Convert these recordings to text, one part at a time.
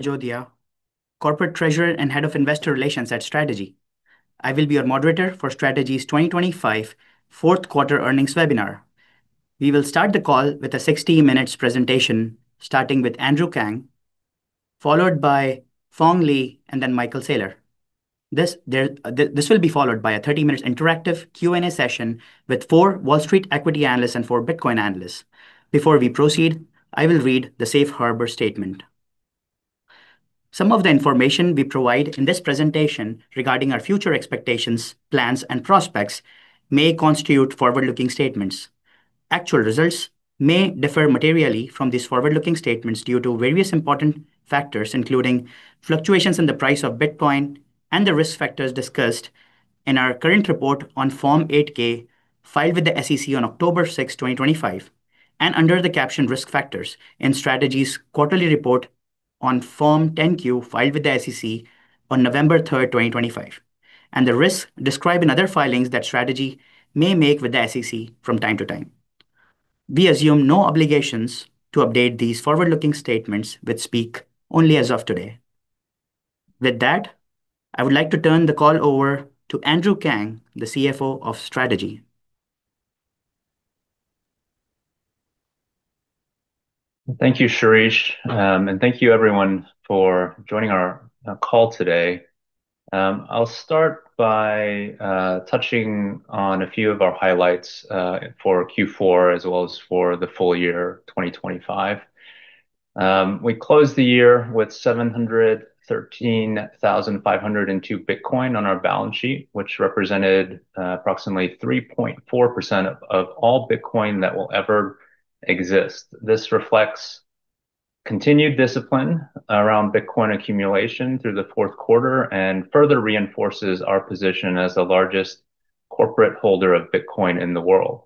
Jajodia, Corporate Treasurer and Head of Investor Relations at Strategy. I will be your moderator for Strategy's 2025 fourth quarter earnings webinar. We will start the call with a 60-minute presentation, starting with Andrew Kang, followed by Phong Le, and then Michael Saylor. This will be followed by a 30-minute interactive Q&A session with four Wall Street equity analysts and four Bitcoin analysts. Before we proceed, I will read the safe harbor statement. Some of the information we provide in this presentation regarding our future expectations, plans, and prospects may constitute forward-looking statements. Actual results may differ materially from these forward-looking statements due to various important factors, including fluctuations in the price of Bitcoin and the risk factors discussed in our current report on Form 8-K, filed with the SEC on October 6, 2025, and under the caption Risk Factors in Strategy's Quarterly Report on Form 10-Q, filed with the SEC on November 3, 2025, and the risks described in other filings that Strategy may make with the SEC from time to time. We assume no obligations to update these forward-looking statements, which speak only as of today. With that, I would like to turn the call over to Andrew Kang, the CFO of Strategy. Thank you, Shirish, and thank you everyone for joining our call today. I'll start by touching on a few of our highlights for Q4, as well as for the full year 2025. We closed the year with 713,502 Bitcoin on our balance sheet, which represented approximately 3.4% of all Bitcoin that will ever exist. This reflects continued discipline around Bitcoin accumulation through the fourth quarter and further reinforces our position as the largest corporate holder of Bitcoin in the world.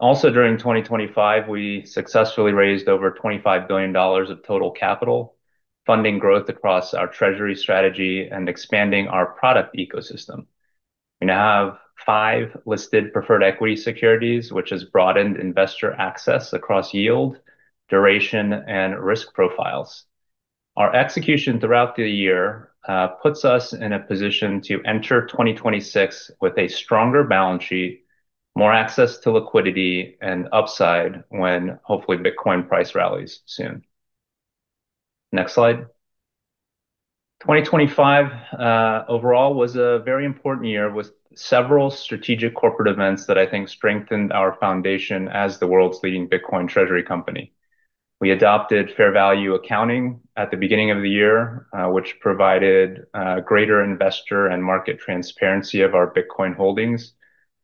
Also, during 2025, we successfully raised over $25 billion of total capital, funding growth across our treasury strategy and expanding our product ecosystem. We now have five listed preferred equity securities, which has broadened investor access across yield, duration, and risk profiles. Our execution throughout the year puts us in a position to enter 2026 with a stronger balance sheet, more access to liquidity, and upside when, hopefully, Bitcoin price rallies soon. Next slide. 2025 overall was a very important year with several strategic corporate events that I think strengthened our foundation as the world's leading Bitcoin treasury company. We adopted fair value accounting at the beginning of the year, which provided greater investor and market transparency of our Bitcoin holdings,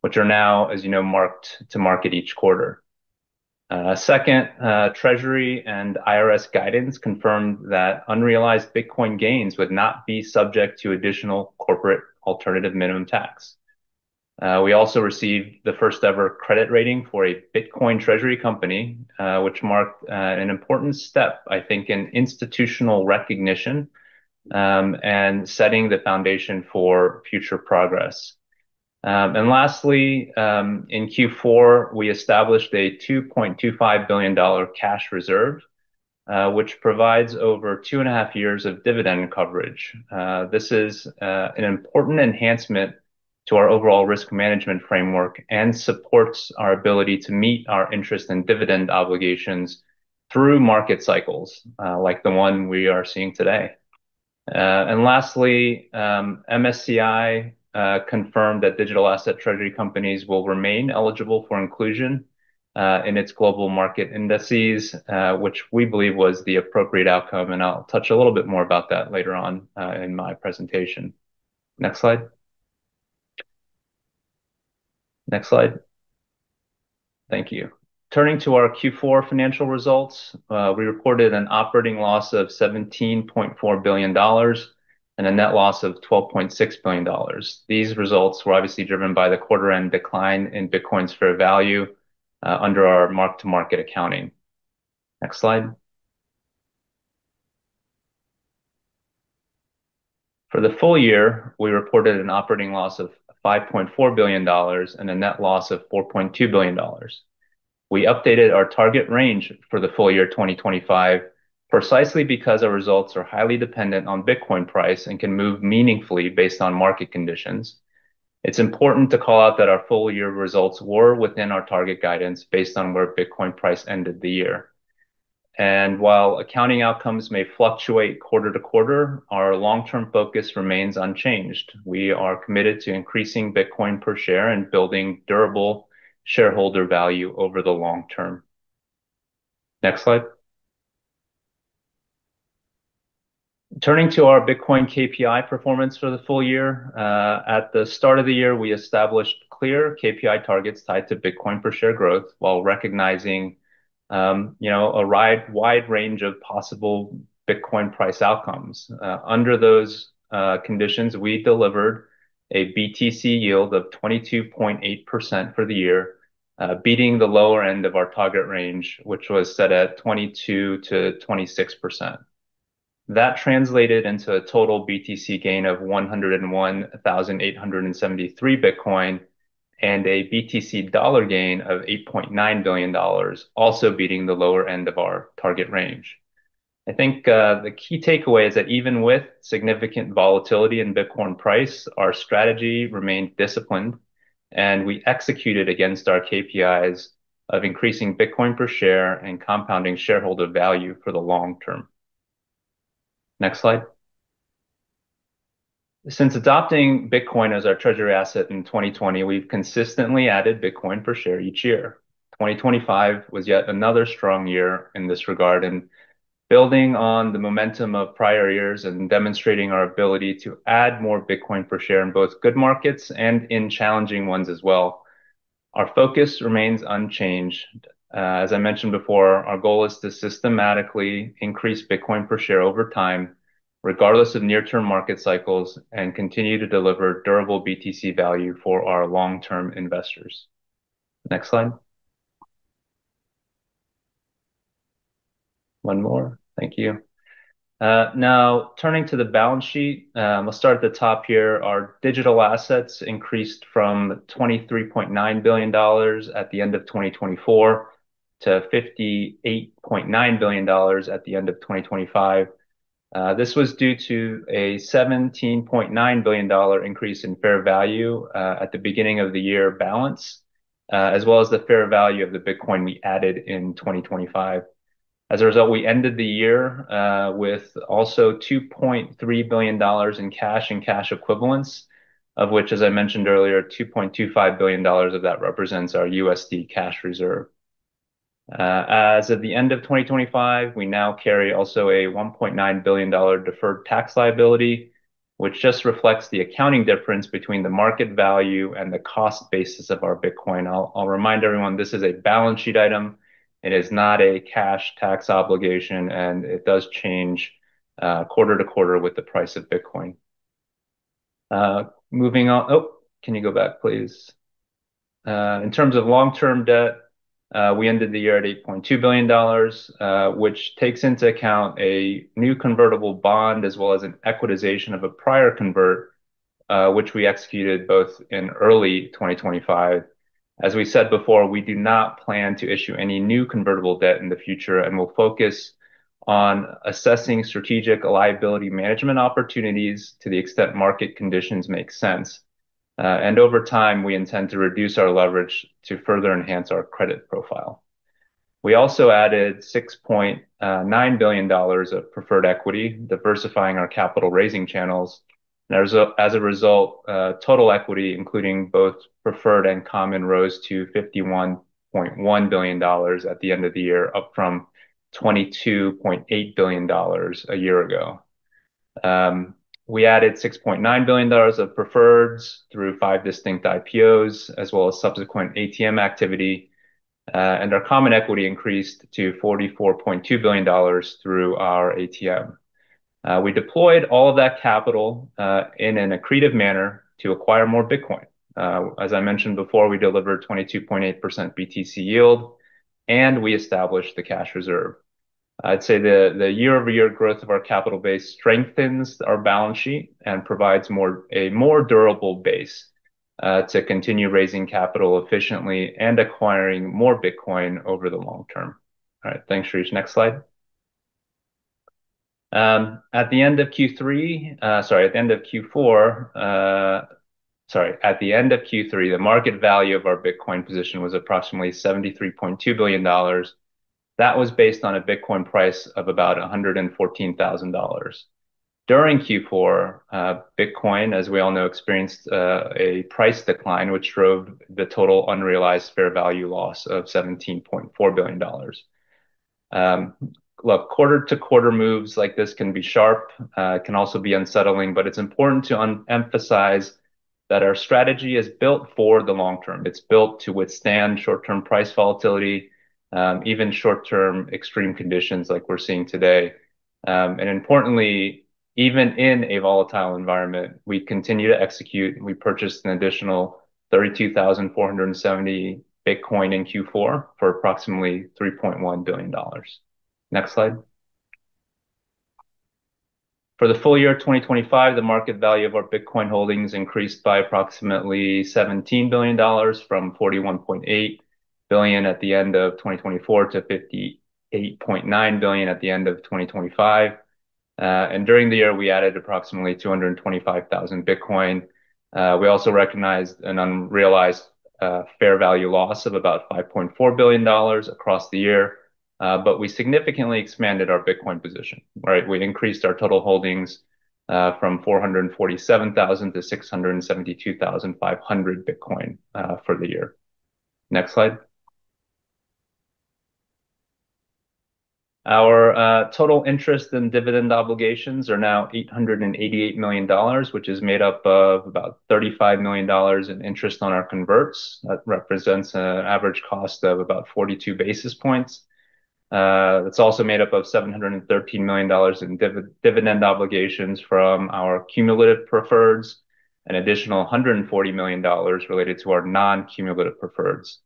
which are now, as you know, marked to market each quarter. Second, Treasury and IRS guidance confirmed that unrealized Bitcoin gains would not be subject to additional Corporate Alternative Minimum Tax. We also received the first-ever credit rating for a Bitcoin treasury company, which marked an important step, I think, in institutional recognition, and setting the foundation for future progress. And lastly, in Q4, we established a $2.25 billion cash reserve, which provides over 2.5 years of dividend coverage. This is an important enhancement to our overall risk management framework and supports our ability to meet our interest and dividend obligations through market cycles, like the one we are seeing today. And lastly, MSCI confirmed that digital asset treasury companies will remain eligible for inclusion in its global market indices, which we believe was the appropriate outcome, and I'll touch a little bit more about that later on in my presentation. Next slide. Next slide. Thank you. Turning to our Q4 financial results, we reported an operating loss of $17.4 billion and a net loss of $12.6 billion. These results were obviously driven by the quarter-end decline in Bitcoin's fair value, under our mark-to-market accounting. Next slide. For the full year, we reported an operating loss of $5.4 billion and a net loss of $4.2 billion. We updated our target range for the full year 2025 precisely because our results are highly dependent on Bitcoin price and can move meaningfully based on market conditions. It's important to call out that our full year results were within our target guidance based on where Bitcoin price ended the year. And while accounting outcomes may fluctuate quarter to quarter, our long-term focus remains unchanged. We are committed to increasing Bitcoin per share and building durable shareholder value over the long term. Next slide. Turning to our Bitcoin KPI performance for the full year, at the start of the year, we established clear KPI targets tied to Bitcoin per share growth while recognizing, you know, a wide, wide range of possible Bitcoin price outcomes. Under those conditions, we delivered a BTC Yield of 22.8% for the year, beating the lower end of our target range, which was set at 22%-26%. That translated into a total BTC gain of 101,873 Bitcoin and a BTC dollar gain of $8.9 billion, also beating the lower end of our target range. I think, the key takeaway is that even with significant volatility in Bitcoin price, our strategy remained disciplined, and we executed against our KPIs of increasing Bitcoin per share and compounding shareholder value for the long term. Next slide. Since adopting Bitcoin as our treasury asset in 2020, we've consistently added Bitcoin per share each year. 2025 was yet another strong year in this regard, and building on the momentum of prior years and demonstrating our ability to add more Bitcoin per share in both good markets and in challenging ones as well, our focus remains unchanged. As I mentioned before, our goal is to systematically increase Bitcoin per share over time, regardless of near-term market cycles, and continue to deliver durable BTC value for our long-term investors. Next slide. One more. Thank you. Now, turning to the balance sheet, I'll start at the top here. Our digital assets increased from $23.9 billion at the end of 2024 to $58.9 billion at the end of 2025. This was due to a $17.9 billion increase in fair value at the beginning of the year balance, as well as the fair value of the Bitcoin we added in 2025. As a result, we ended the year with also $2.3 billion in cash and cash equivalents, of which, as I mentioned earlier, $2.25 billion of that represents our USD cash reserve. As at the end of 2025, we now carry also a $1.9 billion deferred tax liability, which just reflects the accounting difference between the market value and the cost basis of our Bitcoin. I'll remind everyone, this is a balance sheet item. It is not a cash tax obligation, and it does change quarter to quarter with the price of Bitcoin. Moving on - oh, can you go back, please? In terms of long-term debt, we ended the year at $8.2 billion, which takes into account a new convertible bond as well as an equitization of a prior convert, which we executed both in early 2025. As we said before, we do not plan to issue any new convertible debt in the future and will focus on assessing strategic liability management opportunities to the extent market conditions make sense. Over time, we intend to reduce our leverage to further enhance our credit profile. We also added $6.9 billion of preferred equity, diversifying our capital-raising channels. As a result, total equity, including both preferred and common, rose to $51.1 billion at the end of the year, up from $22.8 billion a year ago. We added $6.9 billion of preferreds through five distinct IPOs, as well as subsequent ATM activity, and our common equity increased to $44.2 billion through our ATM. We deployed all of that capital in an accretive manner to acquire more Bitcoin. As I mentioned before, we delivered 22.8% BTC Yield, and we established the cash reserve. I'd say the year-over-year growth of our capital base strengthens our balance sheet and provides a more durable base to continue raising capital efficiently and acquiring more Bitcoin over the long term. All right, thanks, Rish. Next slide. At the end of Q3, sorry, at the end of Q4, sorry, at the end of Q3, the market value of our Bitcoin position was approximately $73.2 billion. That was based on a Bitcoin price of about $114,000. During Q4, Bitcoin, as we all know, experienced a price decline, which drove the total unrealized fair value loss of $17.4 billion. Look, quarter-to-quarter moves like this can be sharp, can also be unsettling, but it's important to underemphasize that our strategy is built for the long term. It's built to withstand short-term price volatility, even short-term extreme conditions like we're seeing today. And importantly, even in a volatile environment, we continue to execute, and we purchased an additional 32,470 Bitcoin in Q4 for approximately $3.1 billion. Next slide. For the full year of 2025, the market value of our Bitcoin holdings increased by approximately $17 billion, from $41.8 billion at the end of 2024 to $58.9 billion at the end of 2025. And during the year, we added approximately 225,000 Bitcoin. We also recognized an unrealized fair value loss of about $5.4 billion across the year, but we significantly expanded our Bitcoin position. Right, we increased our total holdings from 447,000 to 672,500 Bitcoin for the year. Next slide. Our total interest and dividend obligations are now $888 million, which is made up of about $35 million in interest on our converts. That represents an average cost of about 42 basis points. It's also made up of $713 million in dividend obligations from our cumulative preferreds, an additional $140 million related to our non-cumulative preferreds.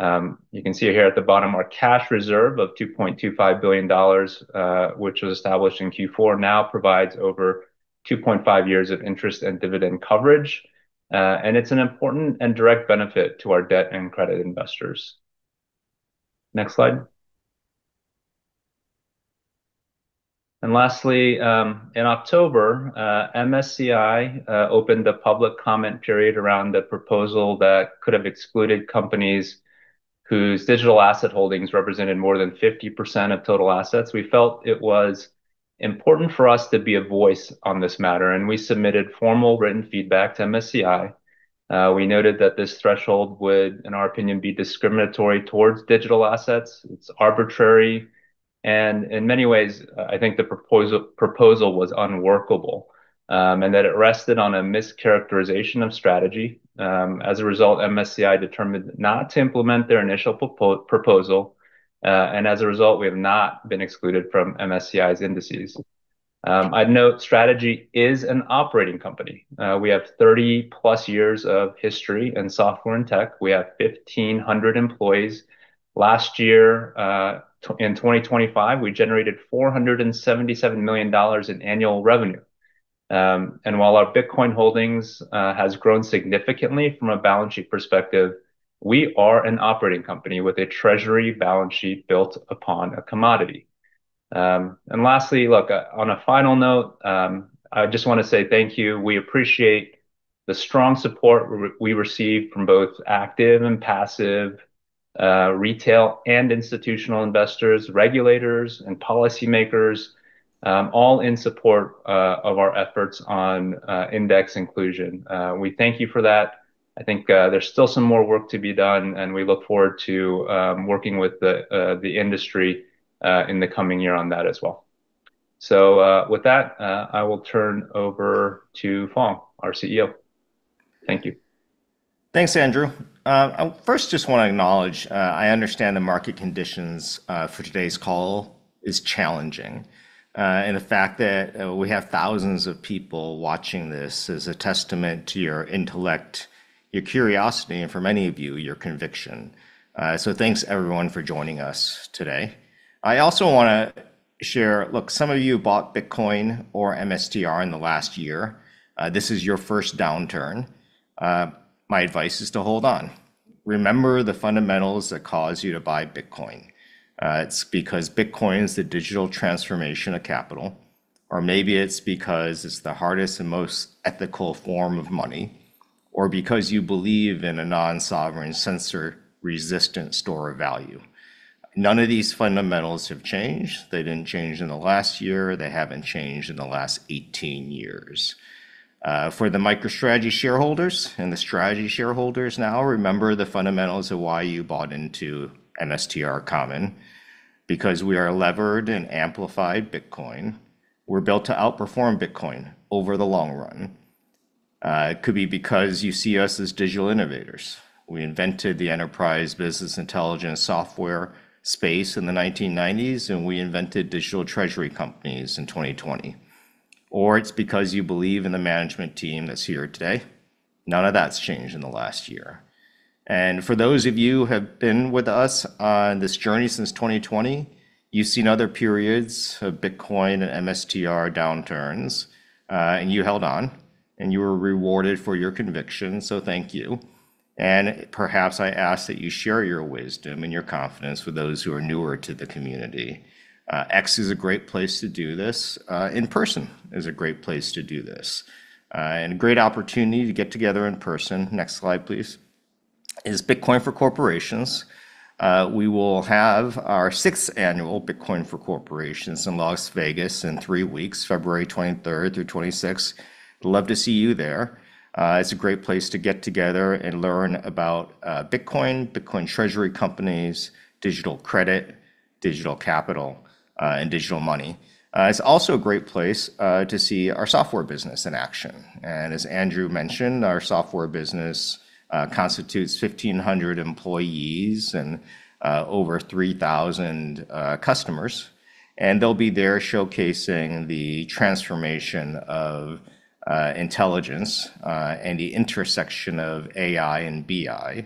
You can see here at the bottom, our cash reserve of $2.25 billion, which was established in Q4, now provides over 2.5 years of interest and dividend coverage, and it's an important and direct benefit to our debt and credit investors. Next slide. Lastly, in October, MSCI opened a public comment period around the proposal that could have excluded companies whose digital asset holdings represented more than 50% of total assets. We felt it was important for us to be a voice on this matter, and we submitted formal written feedback to MSCI. We noted that this threshold would, in our opinion, be discriminatory towards digital assets. It's arbitrary, and in many ways, I think the proposal was unworkable, and that it rested on a mischaracterization of Strategy. As a result, MSCI determined not to implement their initial proposal, and as a result, we have not been excluded from MSCI's indices. I'd note Strategy is an operating company. We have 30+ years of history in software and tech. We have 1,500 employees. Last year, in 2025, we generated $477 million in annual revenue. And while our Bitcoin holdings has grown significantly from a balance sheet perspective, we are an operating company with a treasury balance sheet built upon a commodity. And lastly, on a final note, I just wanna say thank you. We appreciate the strong support we receive from both active and passive, retail and institutional investors, regulators, and policymakers, all in support of our efforts on index inclusion. We thank you for that. I think, there's still some more work to be done, and we look forward to working with the industry in the coming year on that as well. So, with that, I will turn over to Phong, our CEO. Thank you. Thanks, Andrew. I first just wanna acknowledge, I understand the market conditions for today's call is challenging, and the fact that we have thousands of people watching this is a testament to your intellect, your curiosity, and for many of you, your conviction. So thanks, everyone, for joining us today. I also wanna share. Look, some of you bought Bitcoin or MSTR in the last year. This is your first downturn. My advice is to hold on. Remember the fundamentals that caused you to buy Bitcoin. It's because Bitcoin is the digital transformation of capital, or maybe it's because it's the hardest and most ethical form of money, or because you believe in a non-sovereign, censor-resistant store of value. None of these fundamentals have changed. They didn't change in the last year; they haven't changed in the last 18 years. For the MicroStrategy shareholders and the Strategy shareholders, now remember the fundamentals of why you bought into MSTR Common, because we are a levered and amplified Bitcoin. We're built to outperform Bitcoin over the long run. It could be because you see us as digital innovators. We invented the enterprise business intelligence software space in the 1990s, and we invented digital treasury companies in 2020, or it's because you believe in the management team that's here today. None of that's changed in the last year. And for those of you who have been with us on this journey since 2020, you've seen other periods of Bitcoin and MSTR downturns, and you held on, and you were rewarded for your conviction, so thank you. And perhaps I ask that you share your wisdom and your confidence with those who are newer to the community. X is a great place to do this. In person is a great place to do this, and a great opportunity to get together in person. Next slide, please. Bitcoin for Corporations? We will have our sixth annual Bitcoin for Corporations in Las Vegas in three weeks, February 23rd through 26th. Love to see you there. It's a great place to get together and learn about Bitcoin, Bitcoin treasury companies, digital credit, digital capital, and digital money. It's also a great place to see our software business in action. And as Andrew mentioned, our software business constitutes 1,500 employees and over 3,000 customers, and they'll be there showcasing the transformation of intelligence and the intersection of AI and BI.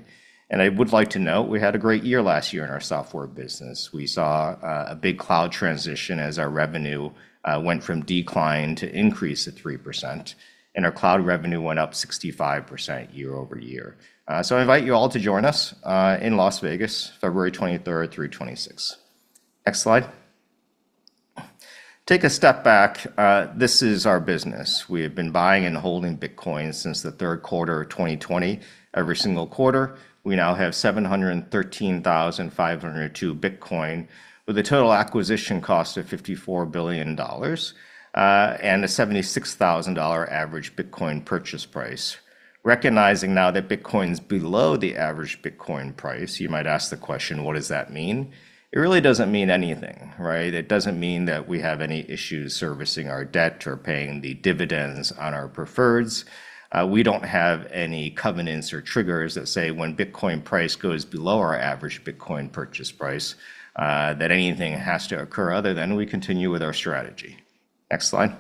I would like to note, we had a great year last year in our software business. We saw a big cloud transition as our revenue went from decline to increase at 3%, and our cloud revenue went up 65% year-over-year. So I invite you all to join us in Las Vegas, February 23rd through 26th. Next slide. Take a step back. This is our business. We have been buying and holding Bitcoin since the third quarter of 2020. Every single quarter, we now have 713,502 Bitcoin, with a total acquisition cost of $54 billion, and a $76,000 average Bitcoin purchase price. Recognizing now that Bitcoin's below the average Bitcoin price, you might ask the question: What does that mean? It really doesn't mean anything, right? It doesn't mean that we have any issues servicing our debt or paying the dividends on our preferreds. We don't have any covenants or triggers that say when Bitcoin price goes below our average Bitcoin purchase price, that anything has to occur other than we continue with our strategy. Next slide.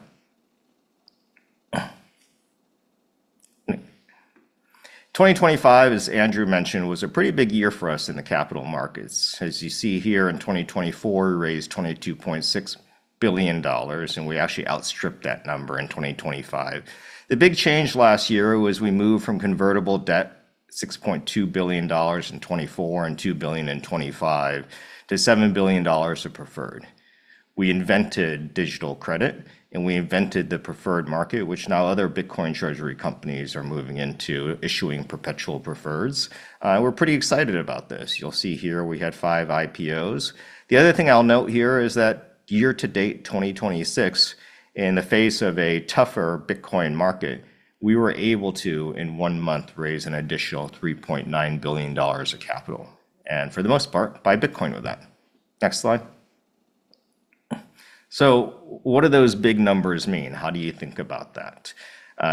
2025, as Andrew mentioned, was a pretty big year for us in the capital markets. As you see here, in 2024, we raised $22.6 billion, and we actually outstripped that number in 2025. The big change last year was we moved from convertible debt, $6.2 billion in 2024 and $2 billion in 2025, to $7 billion of preferred. We invented digital credit, and we invented the preferred market, which now other Bitcoin treasury companies are moving into issuing perpetual preferreds. We're pretty excited about this. You'll see here we had 5 IPOs. The other thing I'll note here is that year to date, 2026, in the face of a tougher Bitcoin market, we were able to, in one month, raise an additional $3.9 billion of capital, and for the most part, buy Bitcoin with that. Next slide. So what do those big numbers mean? How do you think about that?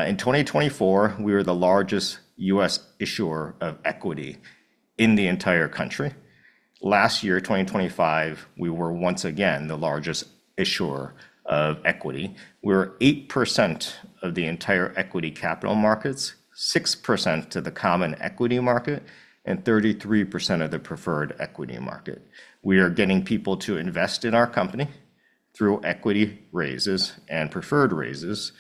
In 2024, we were the largest U.S. issuer of equity in the entire country. Last year, 2025, we were once again the largest issuer of equity, where 8% of the entire equity capital markets, 6% to the common equity market, and 33% of the preferred equity market. We are getting people to invest in our company through equity raises and preferred raises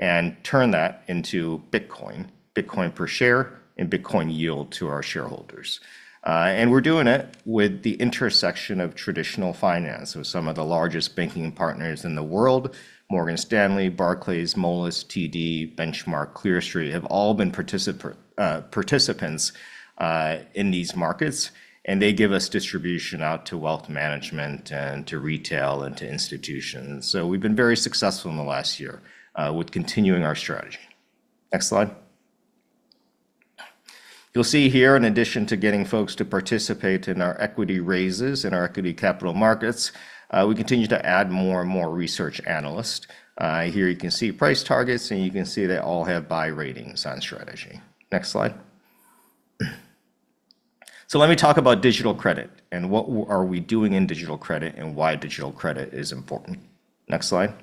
and turn that into Bitcoin, Bitcoin per share, and Bitcoin yield to our shareholders. And we're doing it with the intersection of traditional finance with some of the largest banking partners in the world. Morgan Stanley, Barclays, Moelis, TD, Benchmark, Clear Street, have all been participants in these markets, and they give us distribution out to wealth management and to retail and to institutions. So we've been very successful in the last year with continuing our strategy. Next slide. You'll see here, in addition to getting folks to participate in our equity raises, in our equity capital markets, we continue to add more and more research analysts. Here you can see price targets, and you can see they all have buy ratings on Strategy. Next slide. So let me talk about digital credit and what are we doing in digital credit and why digital credit is important. Next slide.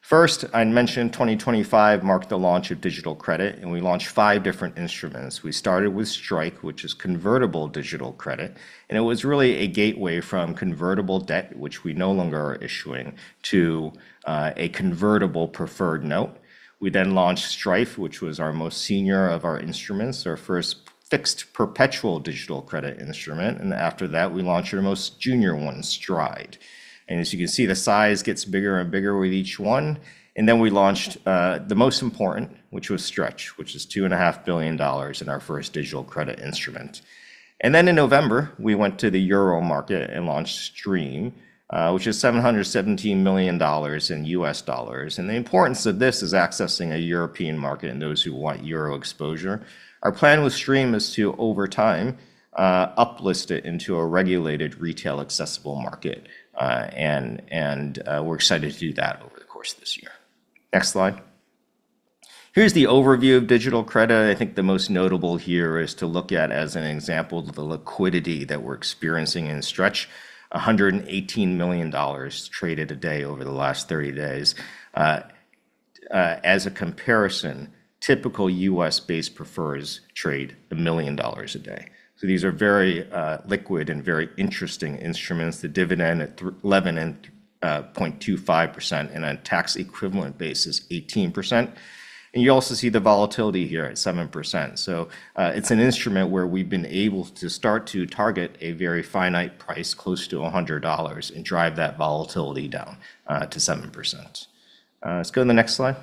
First, I'd mentioned 2025 marked the launch of digital credit, and we launched five different instruments. We started with Strike, which is convertible digital credit, and it was really a gateway from convertible debt, which we no longer are issuing, to a convertible preferred note. We then launched Strife, which was our most senior of our instruments, our first fixed perpetual digital credit instrument, and after that, we launched our most junior one, Stride. And as you can see, the size gets bigger and bigger with each one. And then we launched the most important, which was Stretch, which is $2.5 billion in our first digital credit instrument. And then in November, we went to the euro market and launched Stream, which is $717 million in U.S. dollars. The importance of this is accessing a European market and those who want euro exposure. Our plan with Stream is to, over time, uplist it into a regulated, retail-accessible market, and, and, we're excited to do that over the course of this year. Next slide. Here's the overview of digital credit. I think the most notable here is to look at, as an example, the liquidity that we're experiencing in Stretch, $118 million traded a day over the last 30 days. As a comparison, typical U.S.-based preferreds trade $1 million a day. So these are very, liquid and very interesting instruments. The dividend at eleven and point two five percent, and on a tax equivalent basis, 18%. And you also see the volatility here at 7%. So, it's an instrument where we've been able to start to target a very finite price, close to $100, and drive that volatility down to 7%. Let's go to the next slide.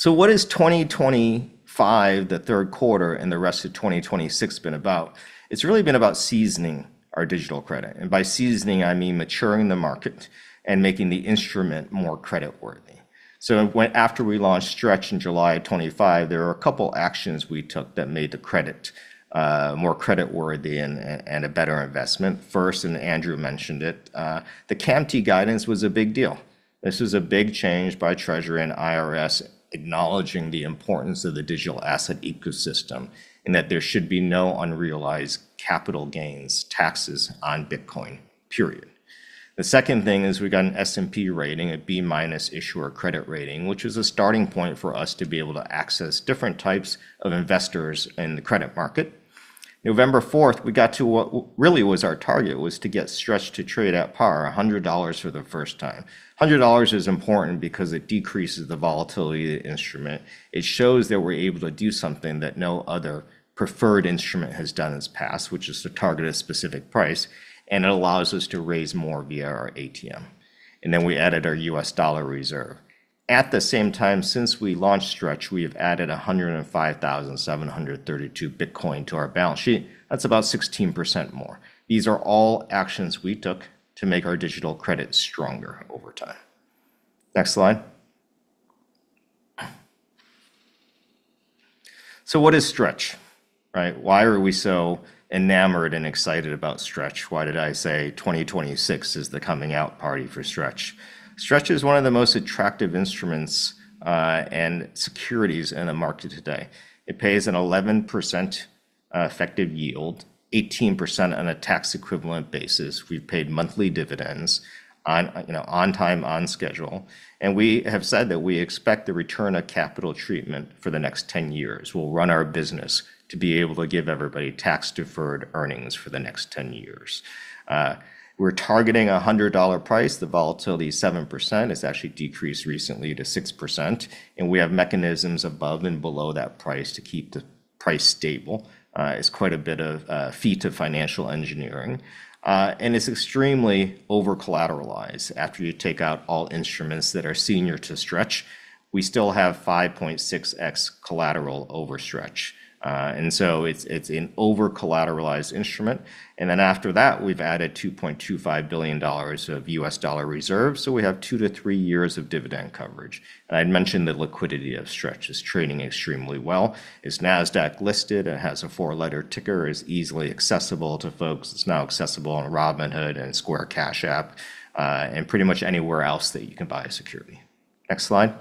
So what is 2025, the third quarter, and the rest of 2026 been about? It's really been about seasoning our digital credit, and by seasoning, I mean maturing the market and making the instrument more creditworthy. So when... After we launched Stretch in July 2025, there were a couple actions we took that made the credit more creditworthy and a better investment. First, and Andrew mentioned it, the CAMT guidance was a big deal. This was a big change by Treasury and IRS, acknowledging the importance of the digital asset ecosystem, and that there should be no unrealized capital gains taxes on Bitcoin, period. The second thing is we got an S&P rating, a B- issuer credit rating, which was a starting point for us to be able to access different types of investors in the credit market. November 4, we got to what really was our target, was to get Stretch to trade at par, $100 for the first time. $100 is important because it decreases the volatility of the instrument. It shows that we're able to do something that no other preferred instrument has done in the past, which is to target a specific price, and it allows us to raise more via our ATM. And then we added our U.S. dollar reserve. At the same time, since we launched Stretch, we have added 105,732 Bitcoin to our balance sheet. That's about 16% more. These are all actions we took to make our digital credit stronger over time. Next slide. So what is Stretch, right? Why are we so enamored and excited about Stretch? Why did I say 2026 is the coming-out party for Stretch? Stretch is one of the most attractive instruments and securities in the market today. It pays an 11% effective yield, 18% on a tax equivalent basis. We've paid monthly dividends on, you know, on time, on schedule, and we have said that we expect the return of capital treatment for the next 10 years. We'll run our business to be able to give everybody tax-deferred earnings for the next 10 years. We're targeting a $100 price. The volatility is 7%. It's actually decreased recently to 6%, and we have mechanisms above and below that price to keep the price stable. It's quite a bit of a feat of financial engineering, and it's extremely over-collateralized. After you take out all instruments that are senior to Stretch, we still have 5.6x collateral over Stretch. And so it's, it's an over-collateralized instrument, and then after that, we've added $2.25 billion of U.S. dollar reserves, so we have 2-3 years of dividend coverage. I'd mentioned the liquidity of Stretch is trading extremely well. It's Nasdaq listed. It has a four-letter ticker, is easily accessible to folks. It's now accessible on Robinhood and Square Cash App, and pretty much anywhere else that you can buy a security. Next slide.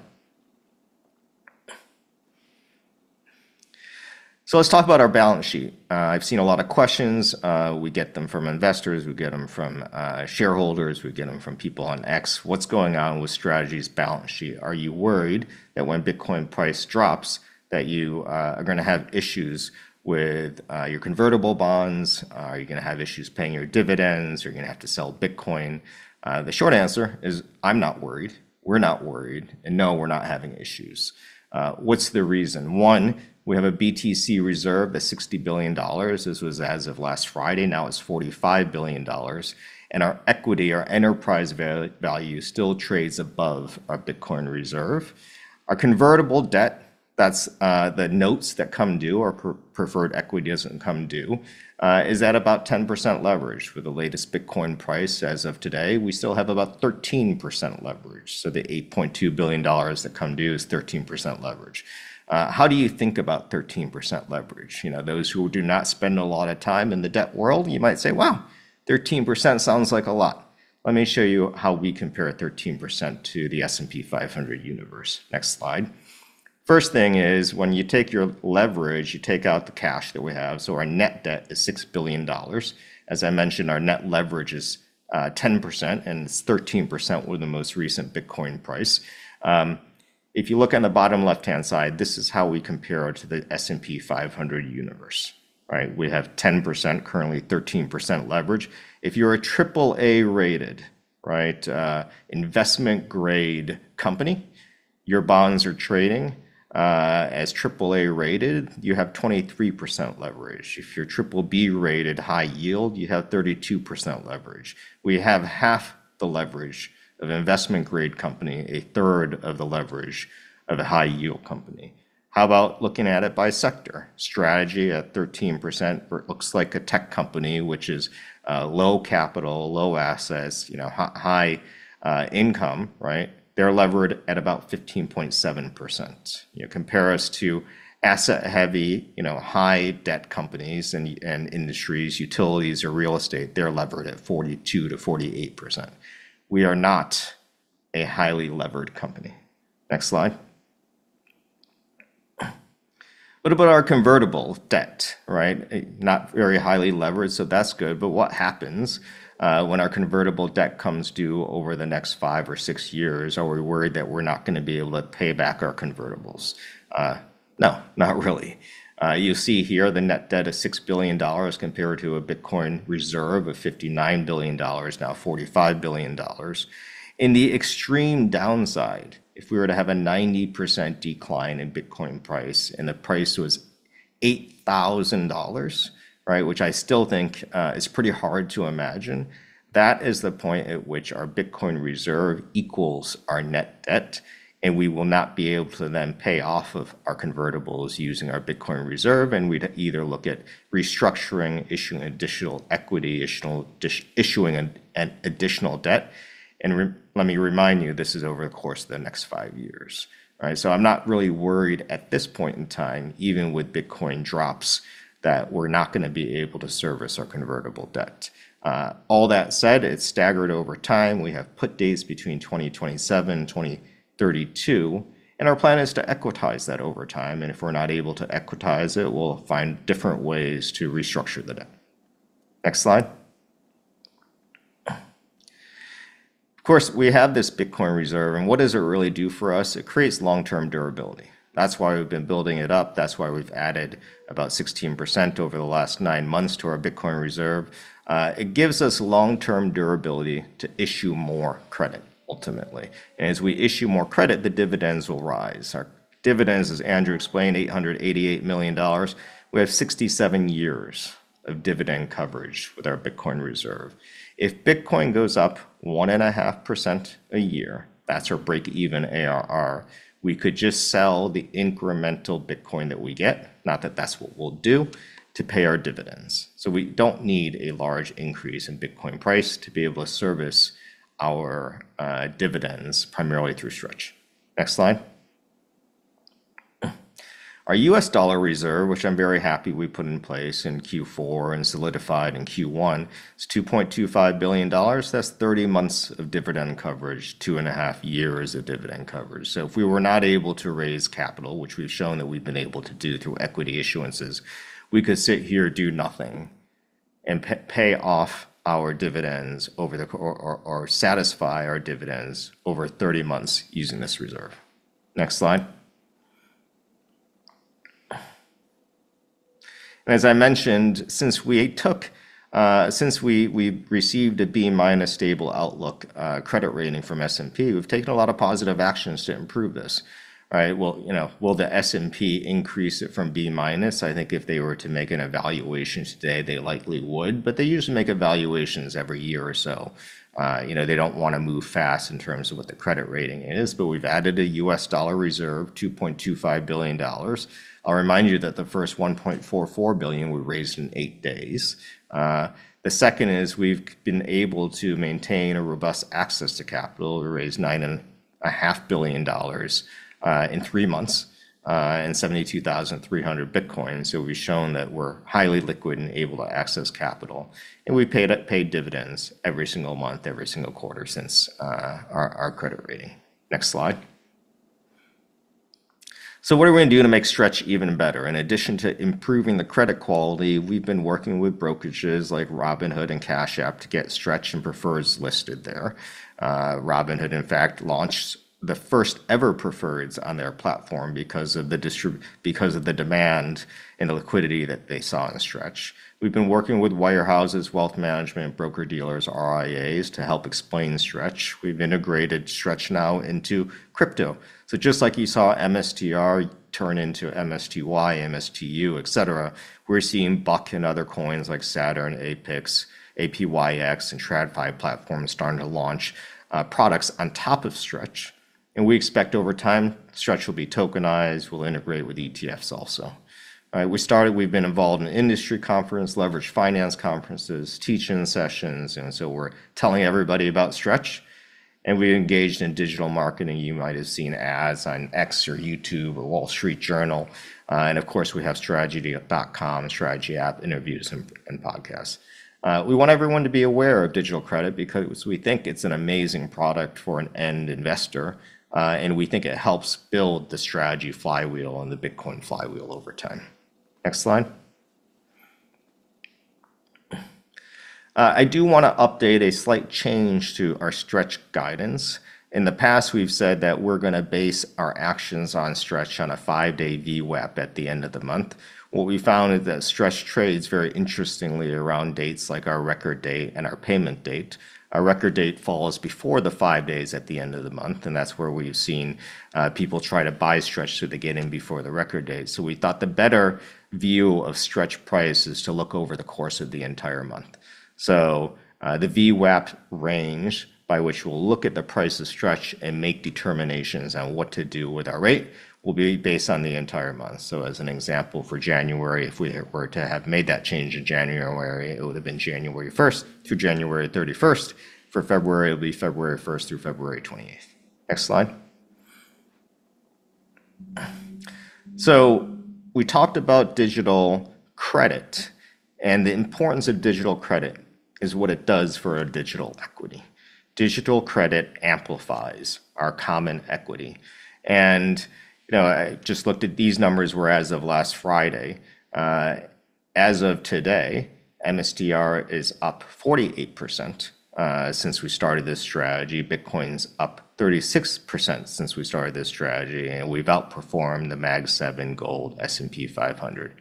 So let's talk about our balance sheet. I've seen a lot of questions. We get them from investors, we get them from shareholders, we get them from people on X: What's going on with Strategy's balance sheet? Are you worried that when Bitcoin price drops, that you are gonna have issues with your convertible bonds? Are you gonna have issues paying your dividends? Are you gonna have to sell Bitcoin? The short answer is, I'm not worried. We're not worried, and no, we're not having issues. What's the reason? One, we have a BTC reserve of $60 billion. This was as of last Friday, now it's $45 billion, and our equity, our enterprise value, still trades above our Bitcoin reserve. Our convertible debt, that's the notes that come due, our preferred equity doesn't come due, is at about 10% leverage. With the latest Bitcoin price as of today, we still have about 13% leverage, so the $8.2 billion that come due is 13% leverage. How do you think about 13% leverage? You know, those who do not spend a lot of time in the debt world, you might say, "Wow, 13% sounds like a lot." Let me show you how we compare a 13% to the S&P 500 universe. Next slide. First thing is, when you take your leverage, you take out the cash that we have, so our net debt is $6 billion. As I mentioned, our net leverage is 10%, and it's 13% with the most recent Bitcoin price. If you look on the bottom left-hand side, this is how we compare to the S&P 500 universe, right? We have 10%, currently 13% leverage. If you're a triple A-rated, right, investment-grade company, your bonds are trading as triple A-rated, you have 23% leverage. If you're triple B-rated high yield, you have 32% leverage. We have half the leverage of an investment-grade company, a third of the leverage of a high-yield company. How about looking at it by sector? Strategy at 13% looks like a tech company, which is low capital, low assets, you know, high income, right? They're levered at about 15.7%. You know, compare us to asset-heavy, you know, high-debt companies and industries, utilities or real estate, they're levered at 42%-48%. We are not a highly levered company. Next slide. What about our convertible debt, right? Not very highly leveraged, so that's good, but what happens when our convertible debt comes due over the next 5 or 6 years? Are we worried that we're not gonna be able to pay back our convertibles? No, not really. You'll see here the net debt is $6 billion compared to a Bitcoin reserve of $59 billion, now $45 billion. In the extreme downside, if we were to have a 90% decline in Bitcoin price, and the price was $8,000, right, which I still think is pretty hard to imagine, that is the point at which our Bitcoin reserve equals our net debt, and we will not be able to then pay off our convertibles using our Bitcoin reserve, and we'd either look at restructuring, issuing additional equity, issuing additional debt. Let me remind you, this is over the course of the next five years. Right, so I'm not really worried at this point in time, even with Bitcoin drops, that we're not gonna be able to service our convertible debt. All that said, it's staggered over time. We have put dates between 2027 and 2032, and our plan is to equitize that over time, and if we're not able to equitize it, we'll find different ways to restructure the debt. Next slide. Of course, we have this Bitcoin reserve, and what does it really do for us? It creates long-term durability. That's why we've been building it up. That's why we've added about 16% over the last nine months to our Bitcoin reserve. It gives us long-term durability to issue more credit, ultimately. And as we issue more credit, the dividends will rise. Our dividends, as Andrew explained, $888 million. We have 67 years of dividend coverage with our Bitcoin reserve. If Bitcoin goes up 1.5% a year, that's our break-even ARR, we could just sell the incremental Bitcoin that we get, not that that's what we'll do, to pay our dividends. So we don't need a large increase in Bitcoin price to be able to service our dividends, primarily through Stretch. Next slide. Our U.S. dollar reserve, which I'm very happy we put in place in Q4 and solidified in Q1, is $2.25 billion. That's 30 months of dividend coverage, 2.5 years of dividend coverage. So if we were not able to raise capital, which we've shown that we've been able to do through equity issuances, we could sit here, do nothing and pay off our dividends over the course or satisfy our dividends over 30 months using this reserve. Next slide. As I mentioned, since we received a B- stable outlook credit rating from S&P, we've taken a lot of positive actions to improve this, right? Will, you know, will the S&P increase it from B-? I think if they were to make an evaluation today, they likely would, but they usually make evaluations every year or so. You know, they don't wanna move fast in terms of what the credit rating is, but we've added a U.S. dollar reserve, $2.25 billion. I'll remind you that the first $1.44 billion we raised in 8 days. The second is we've been able to maintain a robust access to capital. We raised $9.5 billion in three months and 72,300 Bitcoin. So we've shown that we're highly liquid and able to access capital, and we paid dividends every single month, every single quarter since our credit rating. Next slide. So what are we gonna do to make Stretch even better? In addition to improving the credit quality, we've been working with brokerages like Robinhood and Cash App to get Stretch and Preferreds listed there. Robinhood, in fact, launched the first ever Preferreds on their platform because of the demand and the liquidity that they saw in Stretch. We've been working with wirehouses, wealth management, broker-dealers, RIAs, to help explain Stretch. We've integrated Stretch now into crypto. So just like you saw MSTR turn into MSTY, MSTU, et cetera, we're seeing Buck and other coins like Saturn, Apex, APYX, and TradFi platforms starting to launch products on top of Stretch, and we expect over time, Stretch will be tokenized. We'll integrate with ETFs also. All right, we started... We've been involved in industry conference, leveraged finance conferences, teaching sessions, and so we're telling everybody about Stretch, and we engaged in digital marketing. You might have seen ads on X or YouTube or Wall Street Journal. And of course, we have Strategy.com, Strategy app, interviews, and podcasts. We want everyone to be aware of digital credit because we think it's an amazing product for an end investor, and we think it helps build the Strategy flywheel and the Bitcoin flywheel over time. Next slide. I do wanna update a slight change to our Stretch guidance. In the past, we've said that we're gonna base our actions on Stretch on a five-day VWAP at the end of the month. What we found is that Stretch trades very interestingly around dates like our record date and our payment date. Our record date falls before the five days at the end of the month, and that's where we've seen, people try to buy Stretch so they get in before the record date. So we thought the better view of Stretch price is to look over the course of the entire month. So, the VWAP range, by which we'll look at the price of Stretch and make determinations on what to do with our rate, will be based on the entire month. As an example, for January, if we were to have made that change in January, it would have been January 1st through January 31st. For February, it'll be February 1st through February 28th. Next slide. We talked about digital credit, and the importance of digital credit is what it does for a digital equity. Digital credit amplifies our common equity, and, you know, I just looked at these numbers were as of last Friday. As of today, MSTR is up 48% since we started this strategy. Bitcoin's up 36% since we started this strategy, and we've outperformed the Mag Seven gold S&P 500.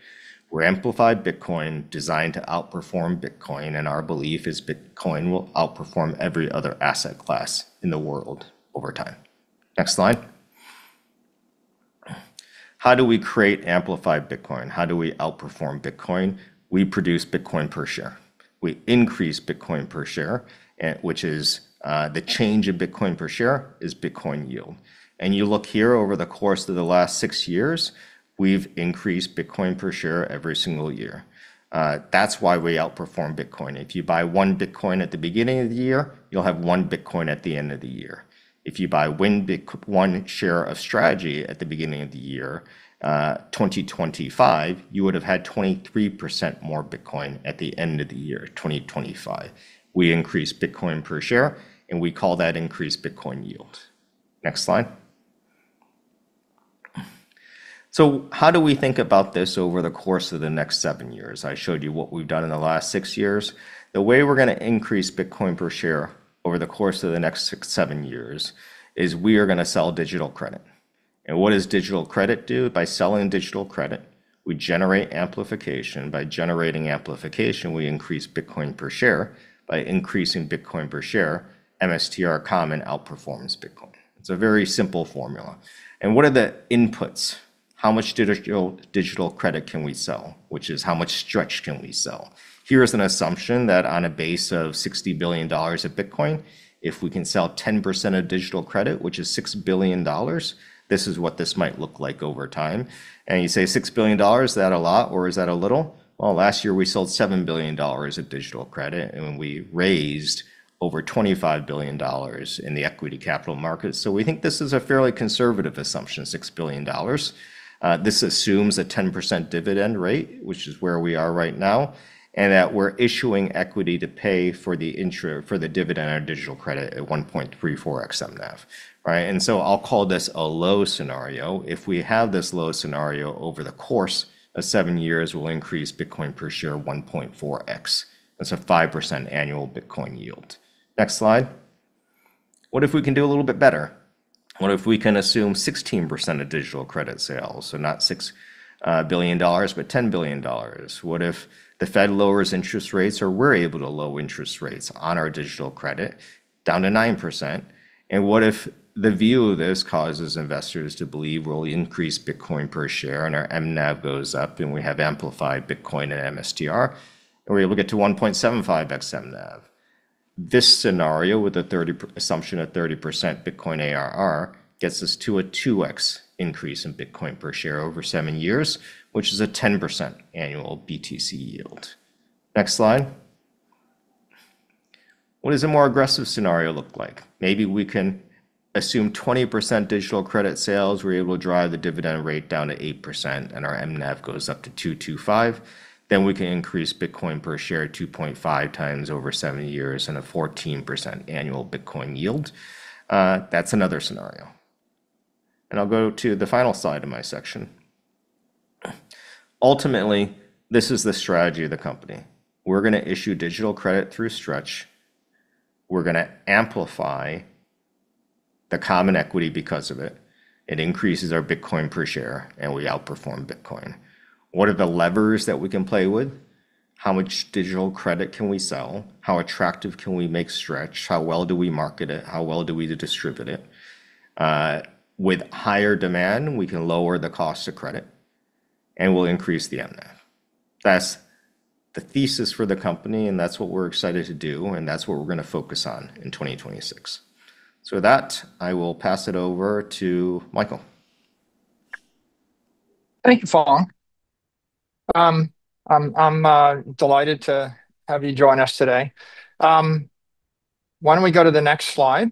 We're amplified Bitcoin, designed to outperform Bitcoin, and our belief is Bitcoin will outperform every other asset class in the world over time. Next slide. How do we create amplified Bitcoin? How do we outperform Bitcoin? We produce Bitcoin per share. We increase Bitcoin per share, and which is the change in Bitcoin per share is Bitcoin Yield. And you look here over the course of the last six years, we've increased Bitcoin per share every single year. That's why we outperform Bitcoin. If you buy one Bitcoin at the beginning of the year, you'll have one Bitcoin at the end of the year. If you buy one share of Strategy at the beginning of the year, 2025, you would have had 23% more Bitcoin at the end of the year, 2025. We increased Bitcoin per share, and we call that increased Bitcoin Yield. Next slide. So how do we think about this over the course of the next seven years? I showed you what we've done in the last six years. The way we're gonna increase Bitcoin per share over the course of the next 6-7 years is we are gonna sell digital credit. And what does digital credit do? By selling digital credit, we generate amplification. By generating amplification, we increase Bitcoin per share. By increasing Bitcoin per share, MSTR common outperforms Bitcoin. It's a very simple formula. And what are the inputs? How much digital, digital credit can we sell, which is how much Stretch can we sell? Here is an assumption that on a base of $60 billion of Bitcoin, if we can sell 10% of digital credit, which is $6 billion, this is what this might look like over time. And you say $6 billion, is that a lot or is that a little? Well, last year, we sold $7 billion of digital credit, and we raised over $25 billion in the equity capital markets. So we think this is a fairly conservative assumption, $6 billion. This assumes a 10% dividend rate, which is where we are right now, and that we're issuing equity to pay for the intra... for the dividend on digital credit at 1.34x NAV, right? And so I'll call this a low scenario. If we have this low scenario over the course of 7 years, we'll increase Bitcoin per share 1.4x. That's a 5% annual Bitcoin yield. Next slide. What if we can do a little bit better? What if we can assume 16% of digital credit sales, so not six, billion dollars, but $10 billion? What if the Fed lowers interest rates or we're able to lower interest rates on our digital credit down to 9%? And what if the view of this causes investors to believe we'll increase Bitcoin per share, and our M-NAV goes up, and we have amplified Bitcoin and MSTR, and we're able to get to 1.75x M-NAV? This scenario, with a 30% assumption of 30% Bitcoin ARR, gets us to a 2x increase in Bitcoin per share over 7 years, which is a 10% annual BTC Yield. Next slide. What does a more aggressive scenario look like? Maybe we can assume 20% digital credit sales, we're able to drive the dividend rate down to 8%, and our M-NAV goes up to 2.25. Then we can increase Bitcoin per share 2.5 times over 7 years and a 14% annual Bitcoin yield. That's another scenario. I'll go to the final slide in my section. Ultimately, this is the strategy of the company. We're gonna issue digital credit through Stretch. We're gonna amplify the common equity because of it. It increases our Bitcoin per share, and we outperform Bitcoin. What are the levers that we can play with? How much digital credit can we sell? How attractive can we make Stretch? How well do we market it? How well do we distribute it? With higher demand, we can lower the cost of credit, and we'll increase the M-NAV. That's the thesis for the company, and that's what we're excited to do, and that's what we're gonna focus on in 2026. With that, I will pass it over to Michael. Thank you, Phong. I'm delighted to have you join us today. Why don't we go to the next slide?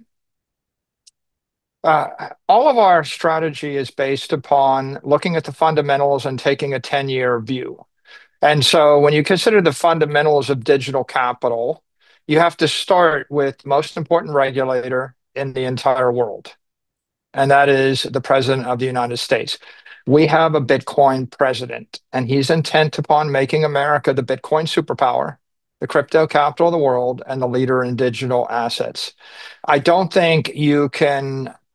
All of our strategy is based upon looking at the fundamentals and taking a ten-year view. And so when you consider the fundamentals of digital capital, you have to start with the most important regulator in the entire world, and that is the President of the United States. We have a Bitcoin president, and he's intent upon making America the Bitcoin superpower, the crypto capital of the world, and the leader in digital assets. I don't think you